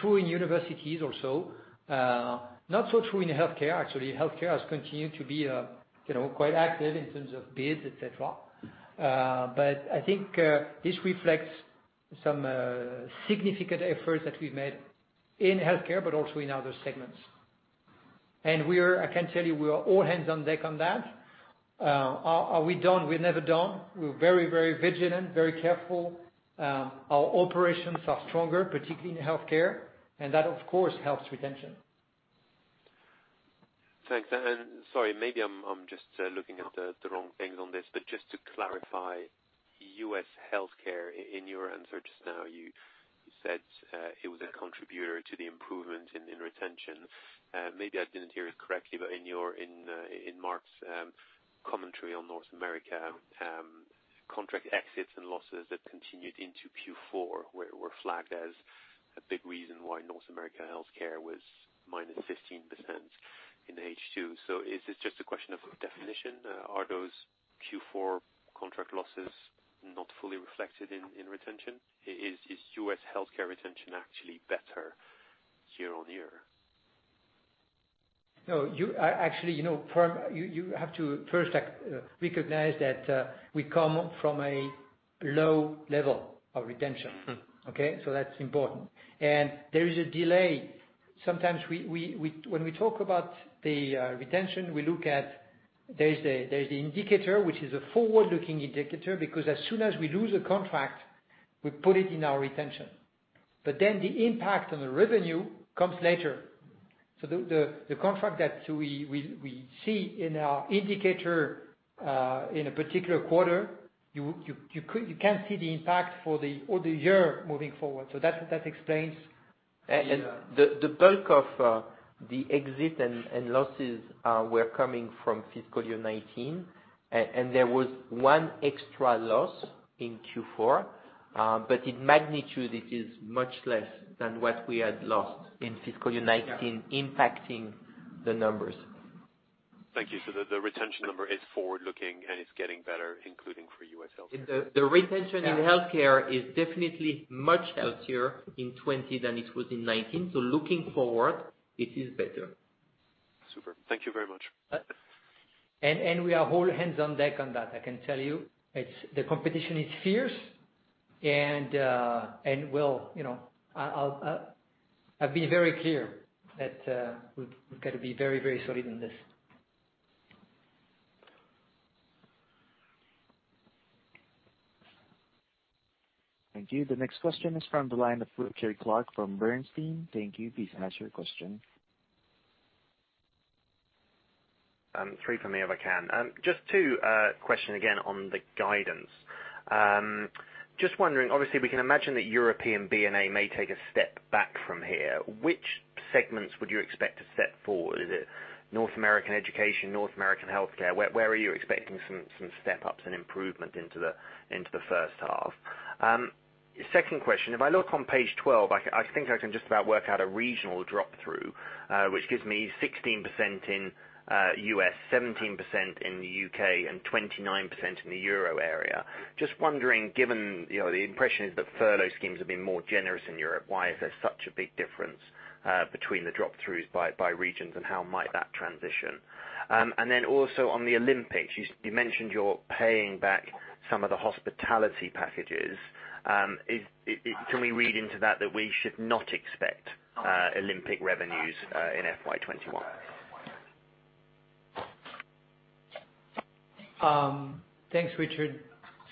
True in universities also. Not so true in healthcare, actually. Healthcare has continued to be quite active in terms of bids, et cetera. I think this reflects some significant efforts that we've made in healthcare but also in other segments. I can tell you, we are all hands on deck on that. Are we done? We're never done. We're very, very vigilant, very careful. Our operations are stronger, particularly in healthcare, and that, of course, helps retention. Thanks. Sorry, maybe I'm just looking at the wrong things on this, but just to clarify, U.S. healthcare in your answer just now, you said it was a contributor to the improvement in retention. Maybe I didn't hear it correctly, in Marc's commentary on North America, contract exits and losses that continued into Q4 were flagged as a big reason why North America Healthcare was -15% in H2. Is this just a question of definition? Are those Q4 contract losses not fully reflected in retention? Is U.S. healthcare retention actually better year-over-year? No. Actually, you have to first recognize that we come from a low level of retention. Okay. That's important. There is a delay. Sometimes when we talk about the retention, there is the indicator, which is a forward-looking indicator because as soon as we lose a contract, we put it in our retention. The impact on the revenue comes later. The contract that we see in our indicator in a particular quarter, you can see the impact for the whole year moving forward. That explains the. The bulk of the exit and losses were coming from fiscal year 2019, and there was one extra loss in Q4. In magnitude, it is much less than what we had lost in fiscal year 2019. Yeah Impacting the numbers. Thank you. The retention number is forward-looking, and it's getting better, including for U.S. healthcare. The retention- Yeah. In healthcare is definitely much healthier in 2020 than it was in 2019. Looking forward, it is better. Super. Thank you very much. We are all hands on deck on that, I can tell you. The competition is fierce, and I've been very clear that we've got to be very solid in this. Thank you. The next question is from the line of Richard Clarke from Bernstein. Thank you. Please ask your question. Three from me, if I can. Just two question again on the guidance. Just wondering, obviously, we can imagine that European B&A may take a step back from here. Which segments would you expect to step forward? Is it North American education, North American healthcare? Where are you expecting some step-ups and improvement into the first half? Second question, if I look on page 12, I think I can just about work out a regional drop-through, which gives me 16% in U.S., 17% in the U.K., and 29% in the Euro area. Just wondering, given the impression is that furlough schemes have been more generous in Europe, why is there such a big difference between the drop-throughs by regions, and how might that transition? Also on the Olympics, you mentioned you're paying back some of the hospitality packages. Can we read into that that we should not expect Olympic revenues in FY 2021? Thanks, Richard.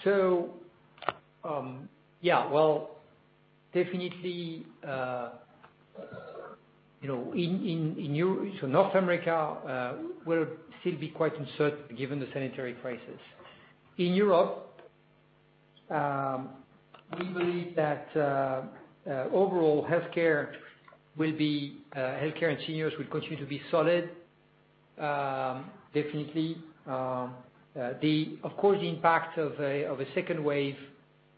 Yeah. Definitely North America will still be quite uncertain given the sanitary crisis. In Europe, we believe that overall healthcare and seniors will continue to be solid, definitely. Of course, the impact of a second wave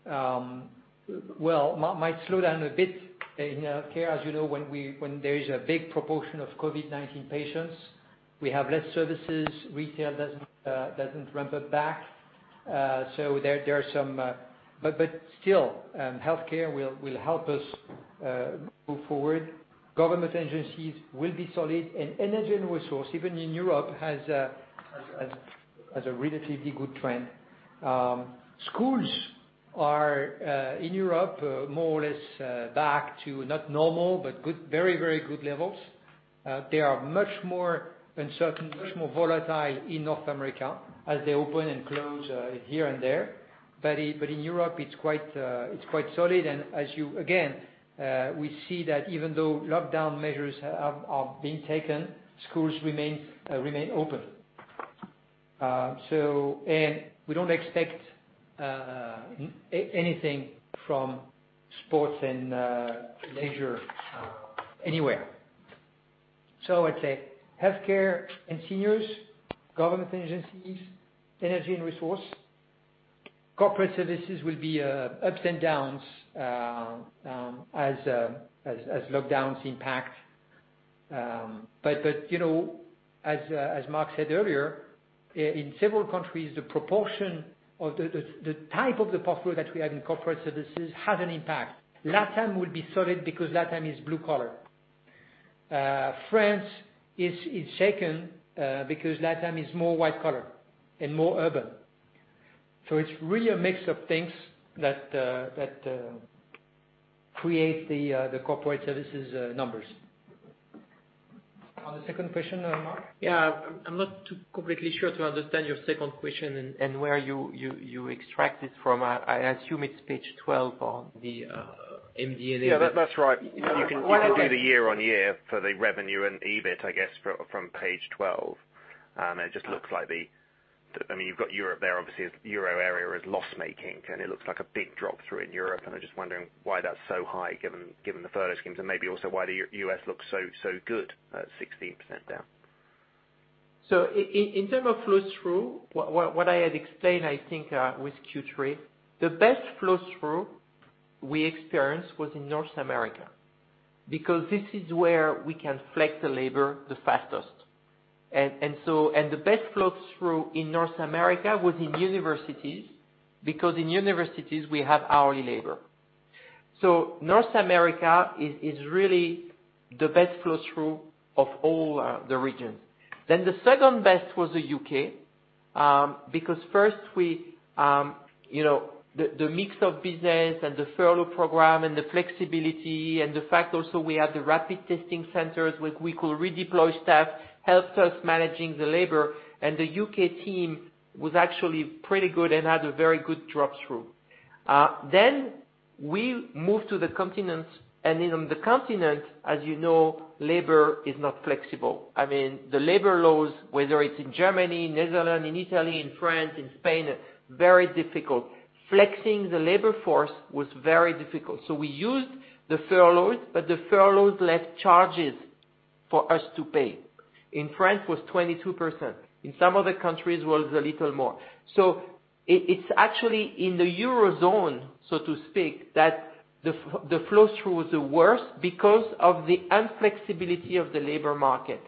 might slow down a bit in healthcare. As you know, when there is a big proportion of COVID-19 patients, we have less services. Retail doesn't ramp it back. Still, healthcare will help us move forward. Government agencies will be solid, and energy and resource, even in Europe, has a relatively good trend. Schools are, in Europe, more or less back to not normal but very good levels. They are much more uncertain, much more volatile in North America as they open and close here and there. In Europe it's quite solid and, again, we see that even though lockdown measures are being taken, schools remain open. We don't expect anything from sports and leisure anywhere. I'd say healthcare and seniors, government agencies, Energy & Resources. Corporate services will be ups and downs as lockdowns impact. As Marc said earlier, in several countries, the type of the portfolio that we have in corporate services has an impact. LatAm will be solid because LatAm is blue collar. France is shaken because LatAm is more white collar and more urban. It's really a mix of things that create the corporate services numbers. On the second question, Marc? Yeah. I'm not completely sure to understand your second question and where you extracted from. I assume it's page 12 on the MD&A. Yeah. That's right. You can do the year on year for the revenue and EBIT, I guess, from page 12. It just looks like you've got Europe there. Obviously, Euro area is loss-making, and it looks like a big drop through in Europe. I'm just wondering why that's so high given the furlough schemes and maybe also why the U.S. looks so good at 16% down. In term of flow-through, what I had explained, I think with Q3. The best flow-through we experienced was in North America, because this is where we can flex the labor the fastest. The best flow-through in North America was in universities, because in universities we have hourly labor. North America is really the best flow-through of all the regions. The second best was the U.K., because first the mix of business and the furlough program and the flexibility and the fact also we had the rapid testing centers where we could redeploy staff, helped us managing the labor, and the U.K. team was actually pretty good and had a very good drop through. We moved to the continent, and in the continent, as you know, labor is not flexible. The labor laws, whether it's in Germany, Netherlands, in Italy, in France, in Spain, very difficult. Flexing the labor force was very difficult. We used the furloughs, but the furloughs left charges for us to pay. In France was 22%. In some other countries was a little more. It's actually in the Eurozone, so to speak, that the flow through was the worst because of the inflexibility of the labor market.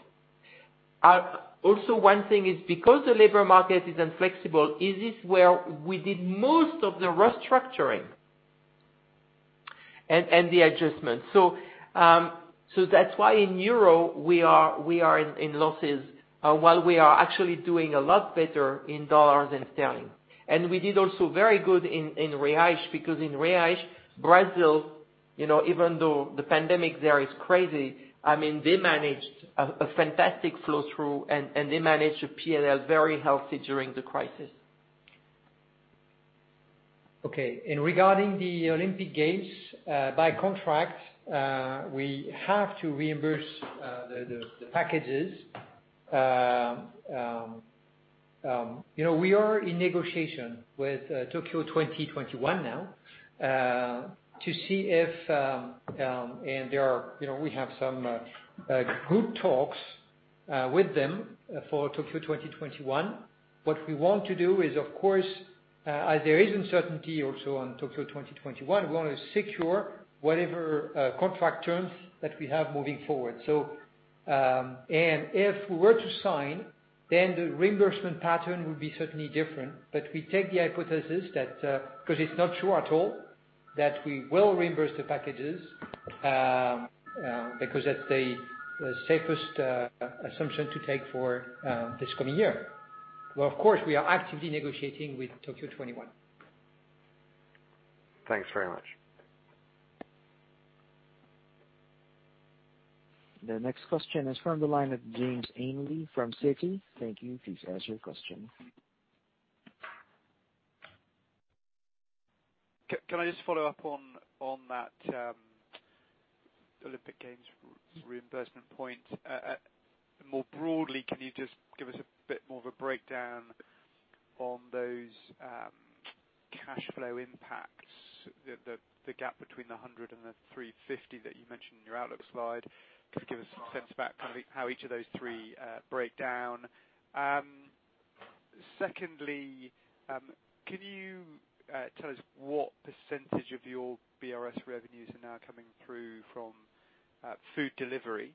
One thing is because the labor market is inflexible, it is where we did most of the restructuring and the adjustment. That's why in Euro we are in losses while we are actually doing a lot better in dollars and sterling. We did also very good in real because in real, Brazil, even though the pandemic there is crazy, they managed a fantastic flow-through and they managed a P&L very healthy during the crisis. Regarding the Olympic Games, by contract, we have to reimburse the packages. We are in negotiation with Tokyo 2020 now. We have some good talks with them for Tokyo 2020. What we want to do is, of course, as there is uncertainty also on Tokyo 2020, we want to secure whatever contract terms that we have moving forward. If we were to sign, then the reimbursement pattern would be certainly different. We take the hypothesis that, because it's not sure at all, that we will reimburse the packages because that's the safest assumption to take for this coming year. Of course, we are actively negotiating with Tokyo 2021. Thanks very much. The next question is from the line of James Ainley from Citi. Thank you. Please ask your question. Can I just follow up on that Olympic Games reimbursement point? More broadly, can you just give us a bit more of a breakdown on those cash flow impacts, the gap between the 100 and the 350 that you mentioned in your outlook slide? Can you give us some sense about how each of those three break down? Secondly, can you tell us what percentage of your BRS revenues are now coming through from food delivery?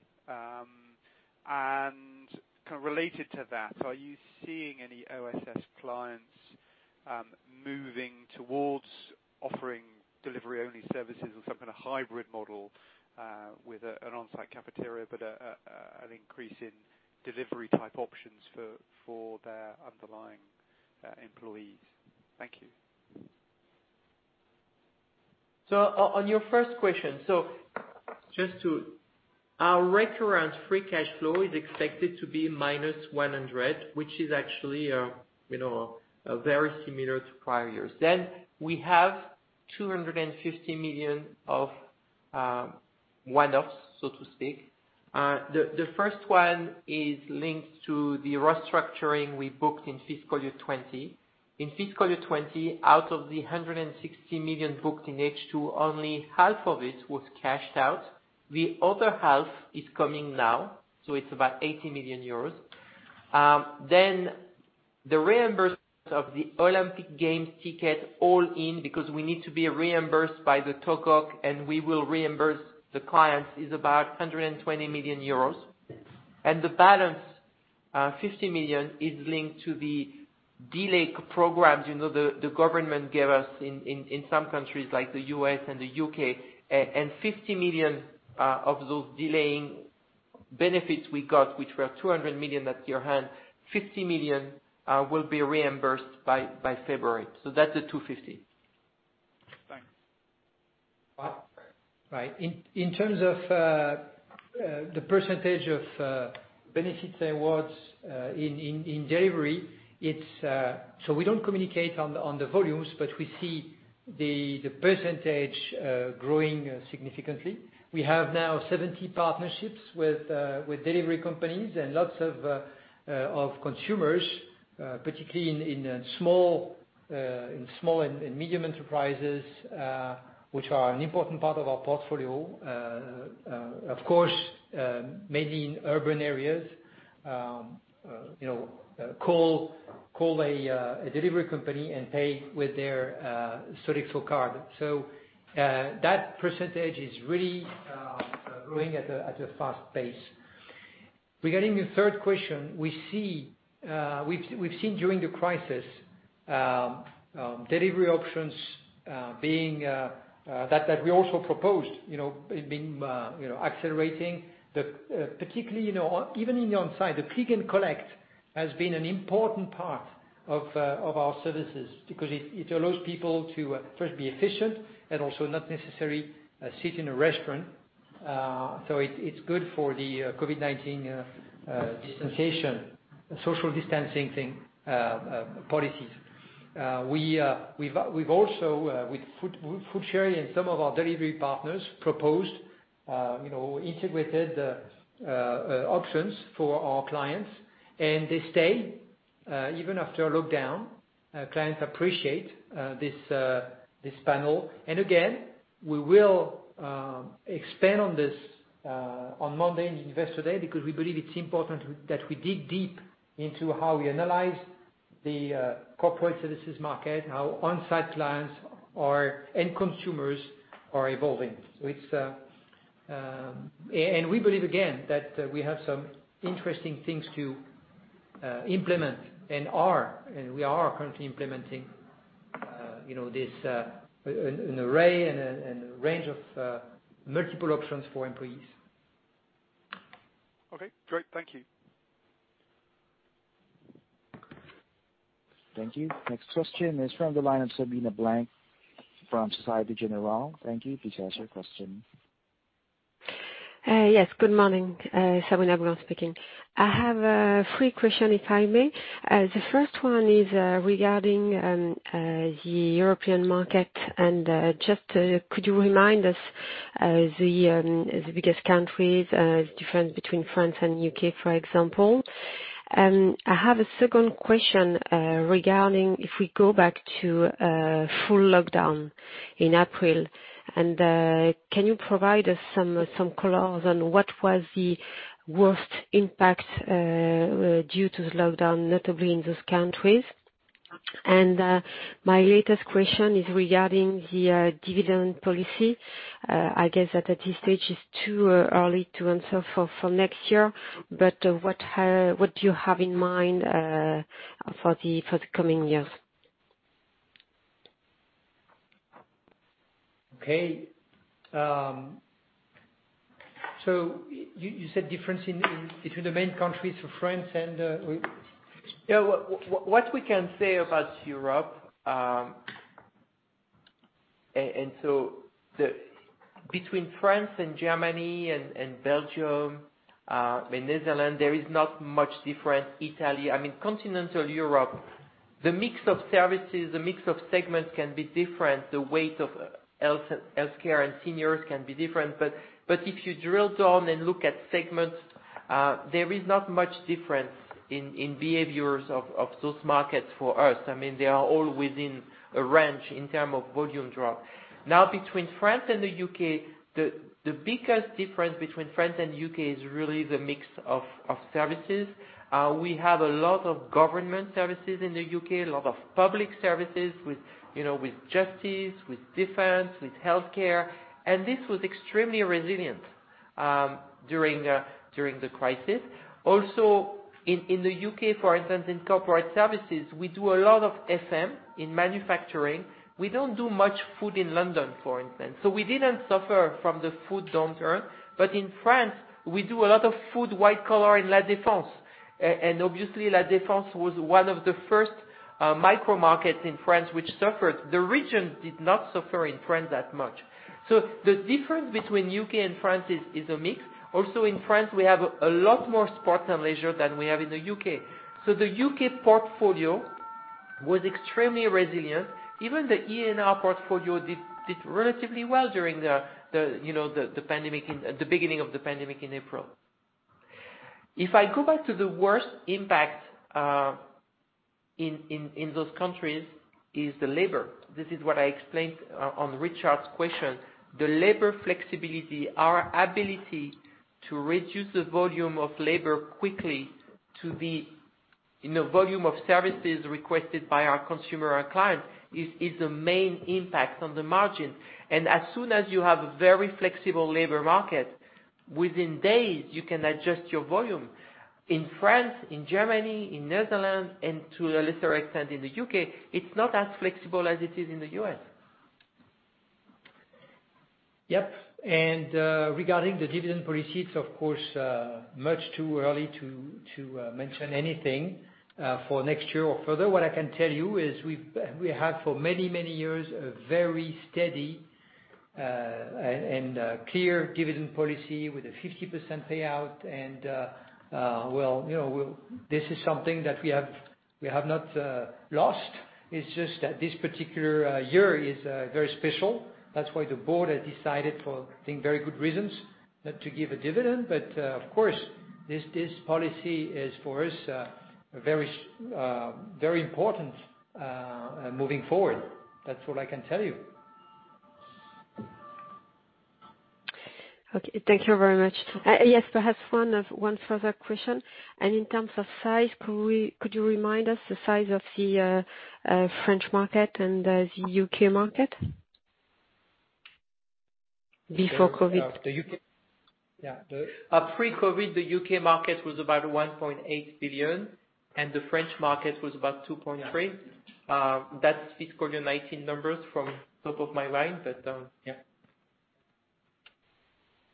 Kind of related to that, are you seeing any OSS clients moving towards offering delivery-only services or some kind of hybrid model, with an on-site cafeteria, but an increase in delivery type options for their underlying employees? Thank you. On your first question, our recurrent Free Cash Flow is expected to be -100 million, which is actually very similar to prior years. We have 250 million of one-offs, so to speak. The first one is linked to the restructuring we booked in fiscal year 2020. In fiscal year 2020, out of the 160 million booked in H2, only half of it was cashed out. The other half is coming now, so it's about 80 million euros. The reimbursement of the Olympic Games ticket all in, because we need to be reimbursed by the TOCOG, and we will reimburse the clients, is about 120 million euros. The balance, 50 million, is linked to the delay programs the government gave us in some countries like the U.S. and the U.K. 50 million of those delaying benefits we got, which were 200 million at year-end, 50 million will be reimbursed by February. That's the 250. Thanks. Right. In terms of the percentage of benefits and awards in delivery, we don't communicate on the volumes but we see the percentage growing significantly. We have now 70 partnerships with delivery companies and lots of consumers, particularly in small and medium enterprises, which are an important part of our portfolio. Of course, mainly in urban areas. Call a delivery company and pay with their Sodexo card. That percentage is really growing at a fast pace. Regarding the third question, we've seen during the crisis, delivery options that we also proposed, accelerating. Particularly, even in the onsite, the click and collect has been an important part of our services because it allows people to, first be efficient and also not necessarily sit in a restaurant. It's good for the COVID-19 social distancing policies. We've also, with FoodChéri and some of our delivery partners, proposed integrated options for our clients, and they stay, even after a lockdown, clients appreciate this panel. Again, we will expand on this on Monday in Investor Day, because we believe it's important that we dig deep into how we analyze the corporate services market, how onsite clients and consumers are evolving. We believe, again, that we have some interesting things to implement, and we are currently implementing an array and a range of multiple options for employees. Okay, great. Thank you. Thank you. Next question is from the line of Sabrina Blanc from Société Générale. Thank you. Please ask your question. Yes, good morning. Sabrina Blanc speaking. I have three question, if I may. The first one is regarding the European market and just could you remind us the biggest countries, difference between France and U.K., for example? I have a second question regarding if we go back to full lockdown in April, can you provide us some colors on what was the worst impact due to the lockdown, notably in those countries? My latest question is regarding the dividend policy. I guess at this stage it's too early to answer for next year, but what do you have in mind for the coming years? Okay. You said difference between the main countries of France and- Yeah, what we can say about Europe, between France and Germany and Belgium, and Netherlands, there is not much different. Italy. Continental Europe, the mix of services, the mix of segments can be different. The weight of healthcare and seniors can be different. If you drill down and look at segments, there is not much difference in behaviors of those markets for us. They are all within a range in term of volume drop. Now, between France and the U.K., the biggest difference between France and U.K. is really the mix of services. We have a lot of government services in the U.K., a lot of public services with justice, with defense, with healthcare, and this was extremely resilient during the crisis. Also, in the U.K., for instance, in corporate services, we do a lot of FM in manufacturing. We don't do much food in London, for instance, so we didn't suffer from the food downturn. In France, we do a lot of food, white collar in La Défense. Obviously, La Défense was one of the first micro markets in France which suffered. The region did not suffer in France that much. The difference between U.K. and France is a mix. In France, we have a lot more sport and leisure than we have in the U.K. The U.K. portfolio was extremely resilient. Even the E&R portfolio did relatively well during the beginning of the pandemic in April. If I go back to the worst impact in those countries, is the labor. This is what I explained on Richard's question. The labor flexibility, our ability to reduce the volume of labor quickly to the volume of services requested by our consumer or client is the main impact on the margin. As soon as you have a very flexible labor market, within days you can adjust your volume. In France, in Germany, in Netherlands, and to a lesser extent in the U.K., it's not as flexible as it is in the U.S. Yep. Regarding the dividend policy, it's of course much too early to mention anything for next year or further. What I can tell you is we have for many, many years, a very steady and clear dividend policy with a 50% payout. This is something that we have not lost. It's just that this particular year is very special. That's why the board has decided for, I think, very good reasons not to give a dividend. Of course, this policy is for us very important moving forward. That's all I can tell you. Okay. Thank you very much. Yes, perhaps one further question. In terms of size, could you remind us the size of the French market and the U.K. market before COVID? Yeah. Pre-COVID, the U.K. market was about 1.8 billion, and the French market was about 2.3 billion. That's fiscal year 2019 numbers from top of my mind but, yeah.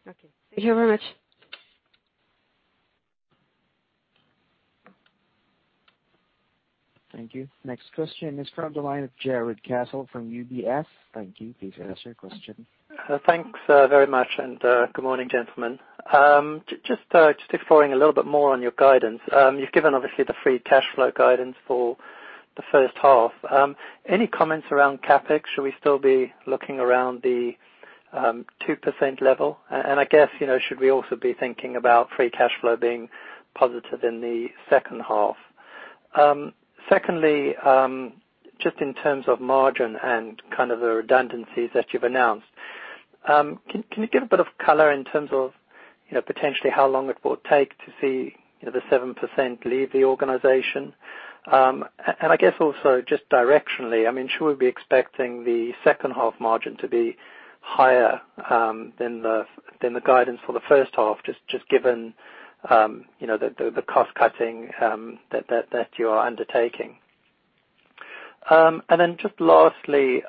Okay. Thank you very much. Thank you. Next question is from the line of Jarrod Castle from UBS. Thank you. Please ask your question. Thanks very much, and good morning, gentlemen. Just exploring a little bit more on your guidance. You've given, obviously, the Free Cash Flow guidance for the first half. Any comments around CapEx? Should we still be looking around the 2% level? I guess, should we also be thinking about Free Cash Flow being positive in the second half? Secondly, just in terms of margin and kind of the redundancies that you've announced, can you give a bit of color in terms of potentially how long it will take to see the 7% leave the organization? I guess also just directionally, should we be expecting the second half margin to be higher than the guidance for the first half, just given the cost cutting that you are undertaking? Just lastly,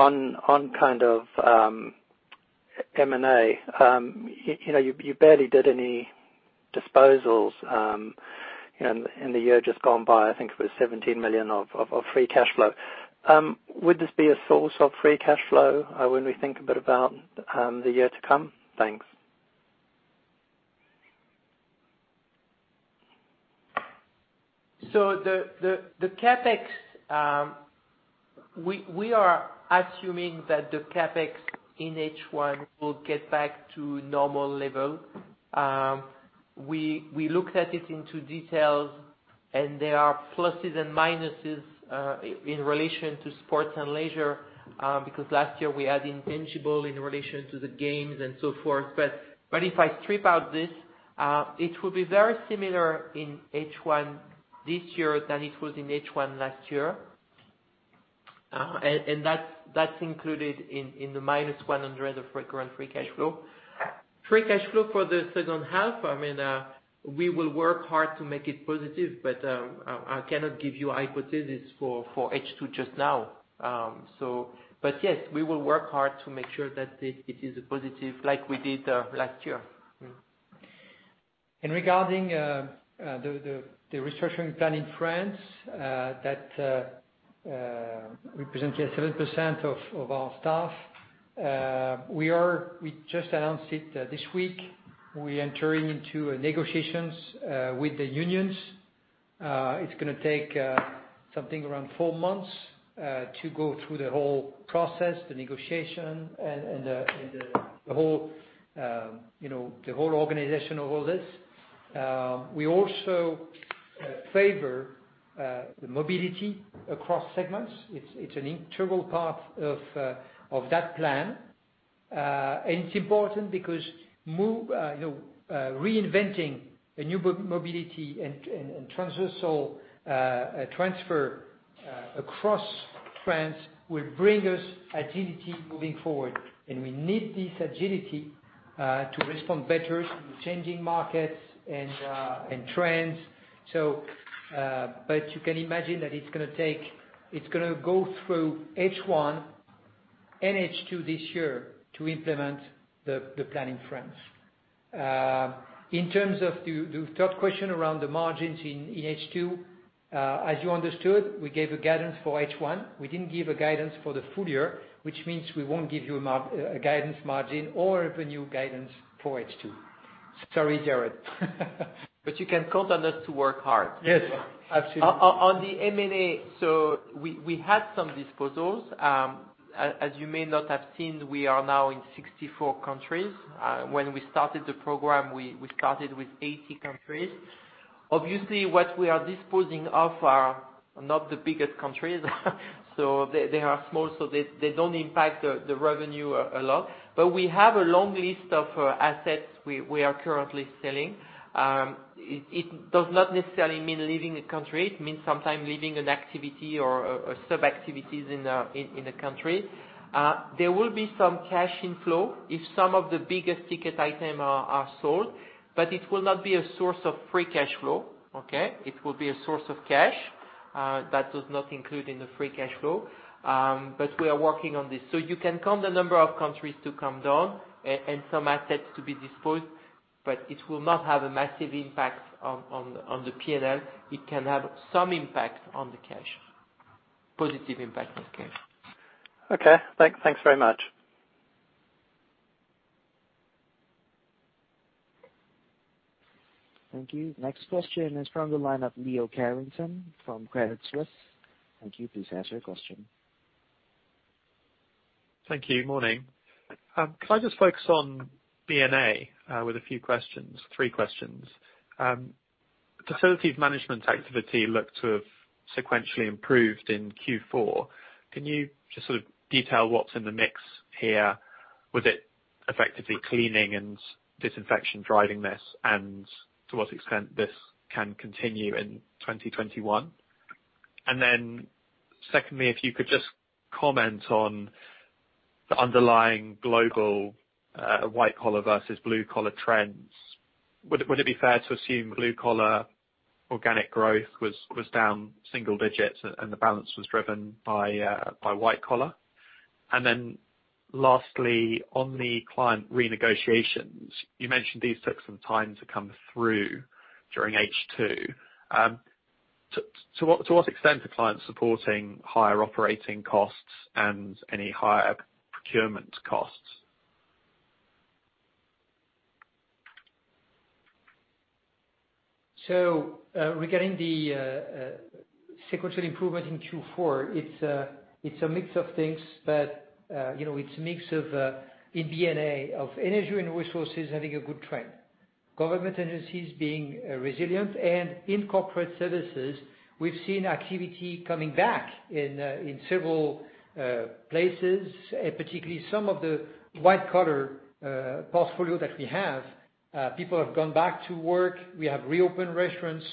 on kind of M&A. You barely did any disposals in the year just gone by. I think it was 17 million of Free Cash Flow. Would this be a source of Free Cash Flow when we think a bit about the year to come? Thanks. The CapEx, we are assuming that the CapEx in H1 will get back to normal level. We looked at it into details, there are pluses and minuses in relation to sports and leisure, because last year we had intangible in relation to the games and so forth. If I strip out this, it will be very similar in H1 this year than it was in H1 last year. That's included in the -100 of recurrent Free Cash Flow. Free Cash Flow for the second half, we will work hard to make it positive, I cannot give you hypothesis for H2 just now. Yes, we will work hard to make sure that it is a positive like we did last year. Regarding the restructuring plan in France, that represented 7% of our staff. We just announced it this week. We are entering into negotiations with the unions. It's going to take something around four months to go through the whole process, the negotiation and the whole organization of all this. We also favor the mobility across segments. It's an integral part of that plan. It's important because reinventing a new mobility and transfer across France will bring us agility moving forward. We need this agility to respond better to changing markets and trends. You can imagine that it's going to go through H1 and H2 this year to implement the plan in France. In terms of the third question around the margins in H2, as you understood, we gave a guidance for H1. We didn't give a guidance for the full year, which means we won't give you a guidance margin or revenue guidance for H2. Sorry, Jarrod. You can count on us to work hard. Yes, absolutely. On the M&A, we had some disposals. As you may not have seen, we are now in 64 countries. When we started the program, we started with 80 countries. Obviously, what we are disposing of are not the biggest countries. They are small, so they don't impact the revenue a lot. We have a long list of assets we are currently selling. It does not necessarily mean leaving a country. It means sometime leaving an activity or sub-activities in a country. There will be some cash inflow if some of the biggest ticket item are sold, but it will not be a source of Free Cash Flow. Okay? It will be a source of cash, that does not include in the Free Cash Flow. We are working on this. You can count the number of countries to come down and some assets to be disposed, but it will not have a massive impact on the P&L. It can have some impact on the cash. Positive impact on the cash. Okay. Thanks very much. Thank you. Next question is from the line of Leo Carrington from Credit Suisse. Thank you. Please ask your question. Thank you. Morning. Could I just focus on B&A with a few questions? Three questions. Facilities management activity looked to have sequentially improved in Q4. Can you just sort of detail what's in the mix here? Was it effectively cleaning and disinfection driving this? To what extent this can continue in 2021? Secondly, if you could just comment on the underlying global white collar versus blue collar trends. Would it be fair to assume blue collar organic growth was down single digits and the balance was driven by white collar? Lastly, on the client renegotiations, you mentioned these took some time to come through during H2. To what extent are clients supporting higher operating costs and any higher procurement costs? Regarding the sequential improvement in Q4, it's a mix of things, but it's a mix of EBNA, of Energy & Resources having a good trend. Government agencies being resilient. In corporate services, we've seen activity coming back in several places, particularly some of the white collar portfolio that we have. People have gone back to work. We have reopened restaurants.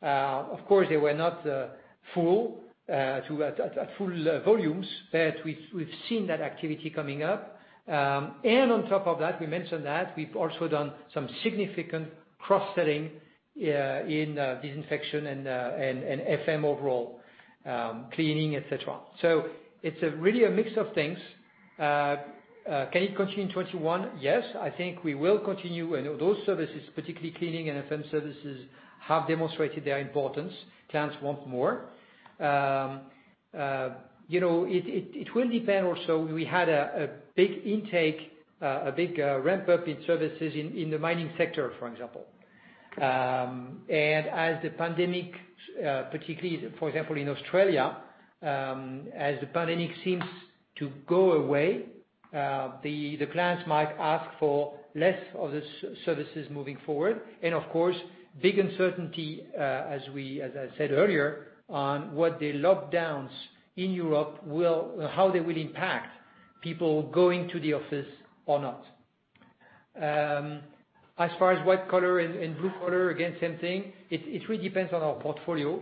Of course, they were not at full volumes, but we've seen that activity coming up. On top of that, we mentioned that we've also done some significant cross-selling in disinfection and FM overall, cleaning, et cetera. It's really a mix of things. Can it continue in 2021? Yes, I think we will continue. Those services, particularly cleaning and FM services, have demonstrated their importance. Clients want more. It will depend, we had a big intake, a big ramp-up in services in the mining sector, for example. As the pandemic, particularly, for example, in Australia, as the pandemic seems to go away, the clients might ask for less of the services moving forward. Of course, big uncertainty, as I said earlier, on what the lockdowns in Europe, how they will impact people going to the office or not. As far as white collar and blue collar, again, same thing. It really depends on our portfolio.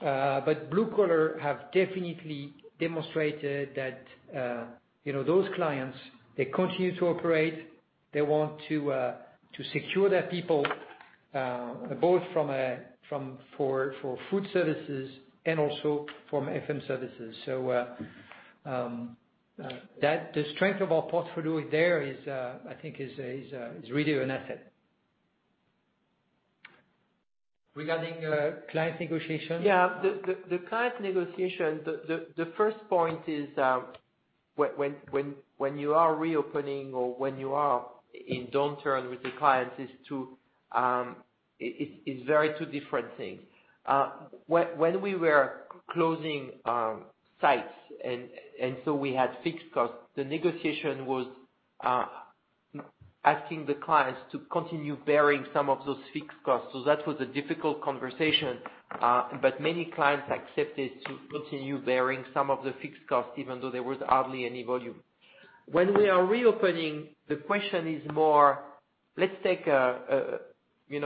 Blue collar have definitely demonstrated that those clients, they continue to operate. They want to secure their people, both for food services and also for FM services. The strength of our portfolio there, I think is really an asset. Regarding client negotiation? Yeah. The client negotiation, the first point is when you are reopening or when you are in downturn with the clients is very two different things. When we were closing sites, we had fixed costs, the negotiation was asking the clients to continue bearing some of those fixed costs. That was a difficult conversation. Many clients accepted to continue bearing some of the fixed costs, even though there was hardly any volume. When we are reopening, the question is more, let's take in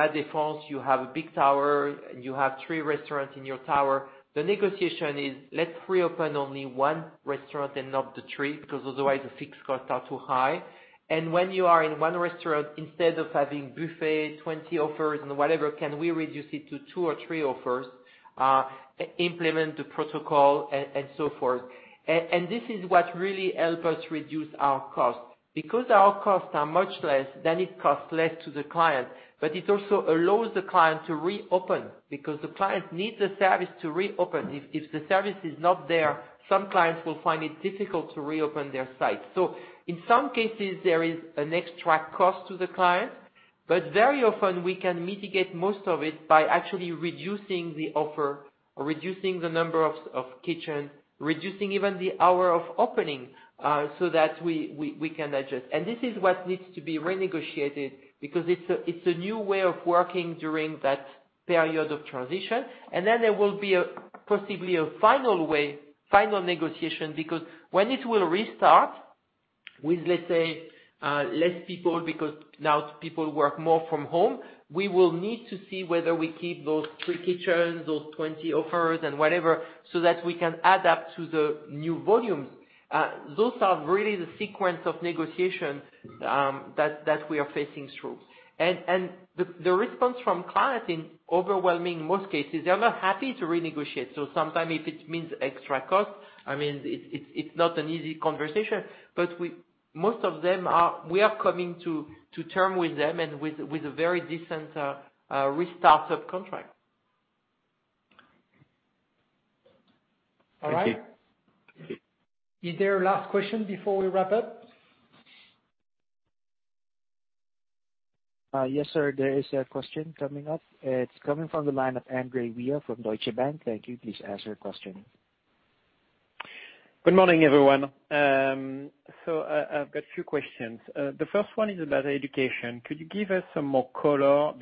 La Defense, you have a big tower, and you have three restaurants in your tower. The negotiation is, let's reopen only one restaurant and not the three because otherwise the fixed costs are too high. When you are in one restaurant, instead of having buffet, 20 offers and whatever, can we reduce it to two or three offers, implement the protocol and so forth. This is what really help us reduce our costs. Our costs are much less, then it costs less to the client but it also allows the client to reopen because the client needs the service to reopen. If the service is not there, some clients will find it difficult to reopen their site. In some cases, there is an extra cost to the client but very often we can mitigate most of it by actually reducing the offer, reducing the number of kitchen, reducing even the hour of opening, so that we can adjust. This is what needs to be renegotiated because it's a new way of working during that period of transition. Then there will be possibly a final negotiation because when it will restart with, let's say, less people because now people work more from home, we will need to see whether we keep those three kitchens, those 20 offers and whatever, so that we can adapt to the new volumes. Those are really the sequence of negotiations that we are facing through. The response from clients in overwhelming most cases, they are not happy to renegotiate. Sometimes if it means extra cost, it's not an easy conversation but most of them, we are coming to term with them and with a very decent restart of contract. All right. Thank you. Is there a last question before we wrap up? Yes, sir. There is a question coming up. It is coming from the line of Andre Wei from Deutsche Bank. Thank you. Please ask your question. Good morning, everyone. I've got two questions. The first one is about education. Could you give us some more color about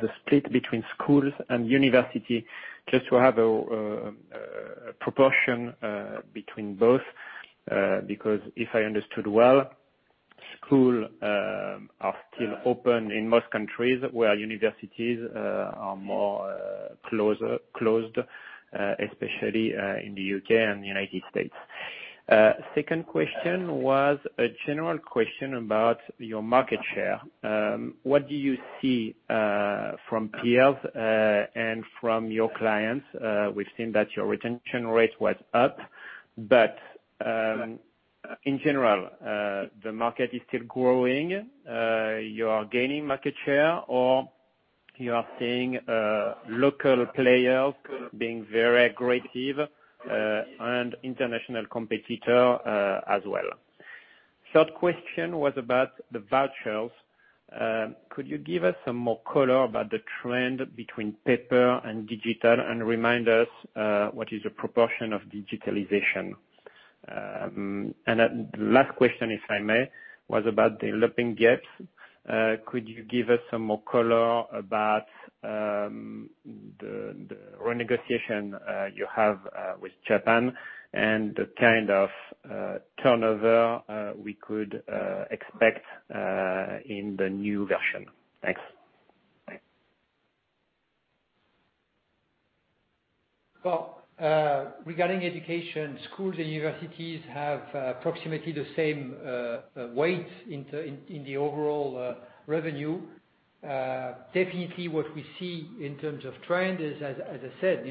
the split between schools and university, just to have a proportion between both? If I understood well, schools are still open in most countries, where universities are more closed, especially in the U.K. and U.S. Second question was a general question about your market share. What do you see from peers and from your clients? We've seen that your retention rate was up. In general, the market is still growing. You are gaining market share or you are seeing local players being very aggressive, and international competitor, as well. Third question was about the vouchers. Could you give us some more color about the trend between paper and digital and remind us, what is the proportion of digitalization? The last question, if I may, was about the Olympic Games. Could you give us some more color about the renegotiation you have with Japan and the kind of turnover we could expect in the new version? Thanks. Well, regarding education, schools and universities have approximately the same weight in the overall revenue. Definitely what we see in terms of trend is, as I said,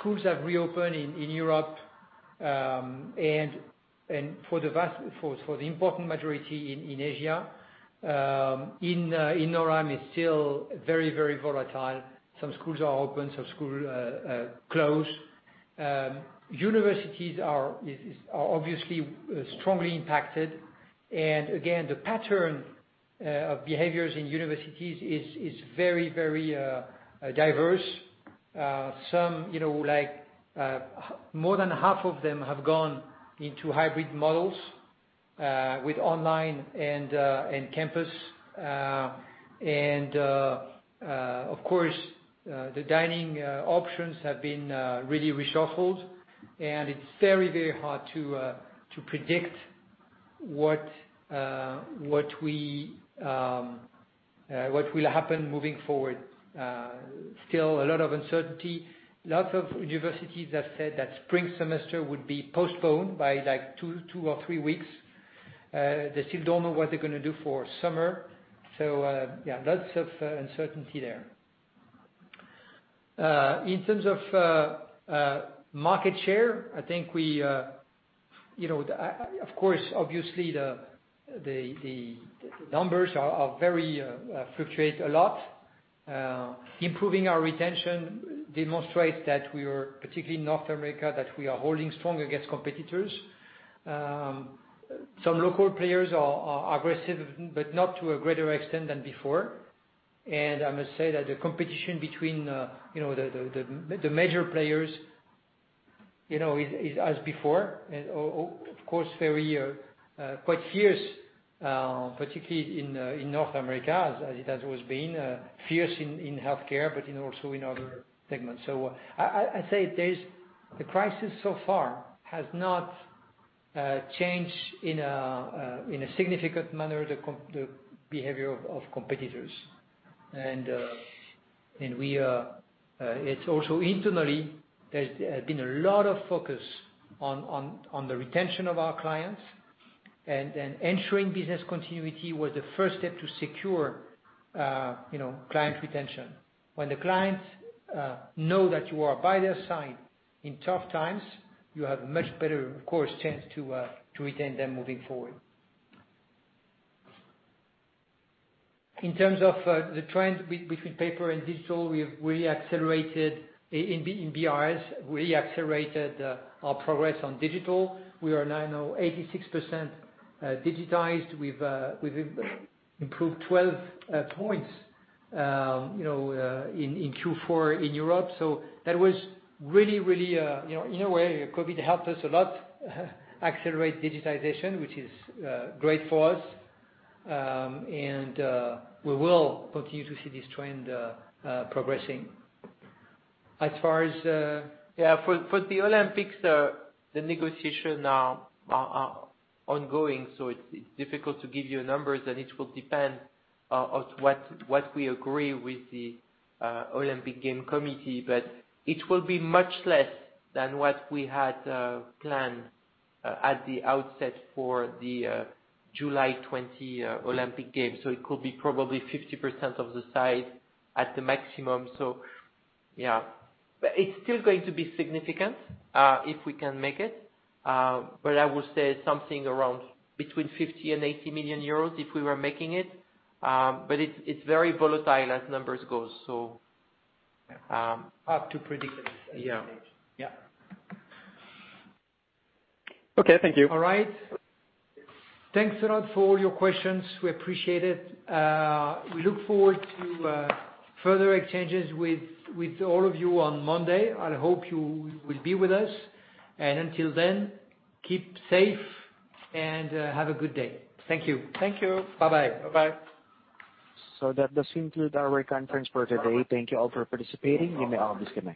schools have reopened in Europe, and for the important majority in Asia. In NORAM, it's still very volatile. Some schools are open, some school closed. Universities are obviously strongly impacted. Again, the pattern of behaviors in universities is very diverse. More than half of them have gone into hybrid models with online and campus. Of course, the dining options have been really reshuffled, and it's very hard to predict what will happen moving forward. Still a lot of uncertainty. Lots of universities have said that spring semester would be postponed by two or three weeks. They still don't know what they're going to do for summer. Yeah, lots of uncertainty there. In terms of market share, of course, obviously the numbers fluctuate a lot. Improving our retention demonstrates that we are, particularly in North America, holding strong against competitors. Some local players are aggressive but not to a greater extent than before. I must say that the competition between the major players is as before, and of course very quite fierce, particularly in North America, as it has always been. Fierce in healthcare, but also in other segments. I say the crisis so far has not changed in a significant manner, the behavior of competitors. Also internally, there's been a lot of focus on the retention of our clients and ensuring business continuity was the first step to secure client retention. When the clients know that you are by their side in tough times, you have a much better, of course, chance to retain them moving forward. In terms of the trend between paper and digital, we accelerated in BRS, we accelerated our progress on digital. We are now 86% digitized. We've improved 12 points in Q4 in Europe. So that was really, in a way, COVID helped us a lot accelerate digitization, which is great for us. And we will continue to see this trend progressing. Yeah, for the Olympics, the negotiations are ongoing. It's difficult to give you numbers and it will depend on what we agree with the Olympic Games committee. It will be much less than what we had planned at the outset for the July 2020 Olympic Games. It could be probably 50% of the size at the maximum. Yeah. It's still going to be significant, if we can make it. I would say something between 50 million and 80 million euros if we were making it. It's very volatile as numbers go. Hard to predict at this stage. Yeah. Yeah. Okay. Thank you. All right. Thanks a lot for all your questions. We appreciate it. We look forward to further exchanges with all of you on Monday. I hope you will be with us. Until then, keep safe and have a good day. Thank you. Thank you. Bye-bye. Bye-bye. That does conclude our conference for today. Thank you all for participating. You may all disconnect.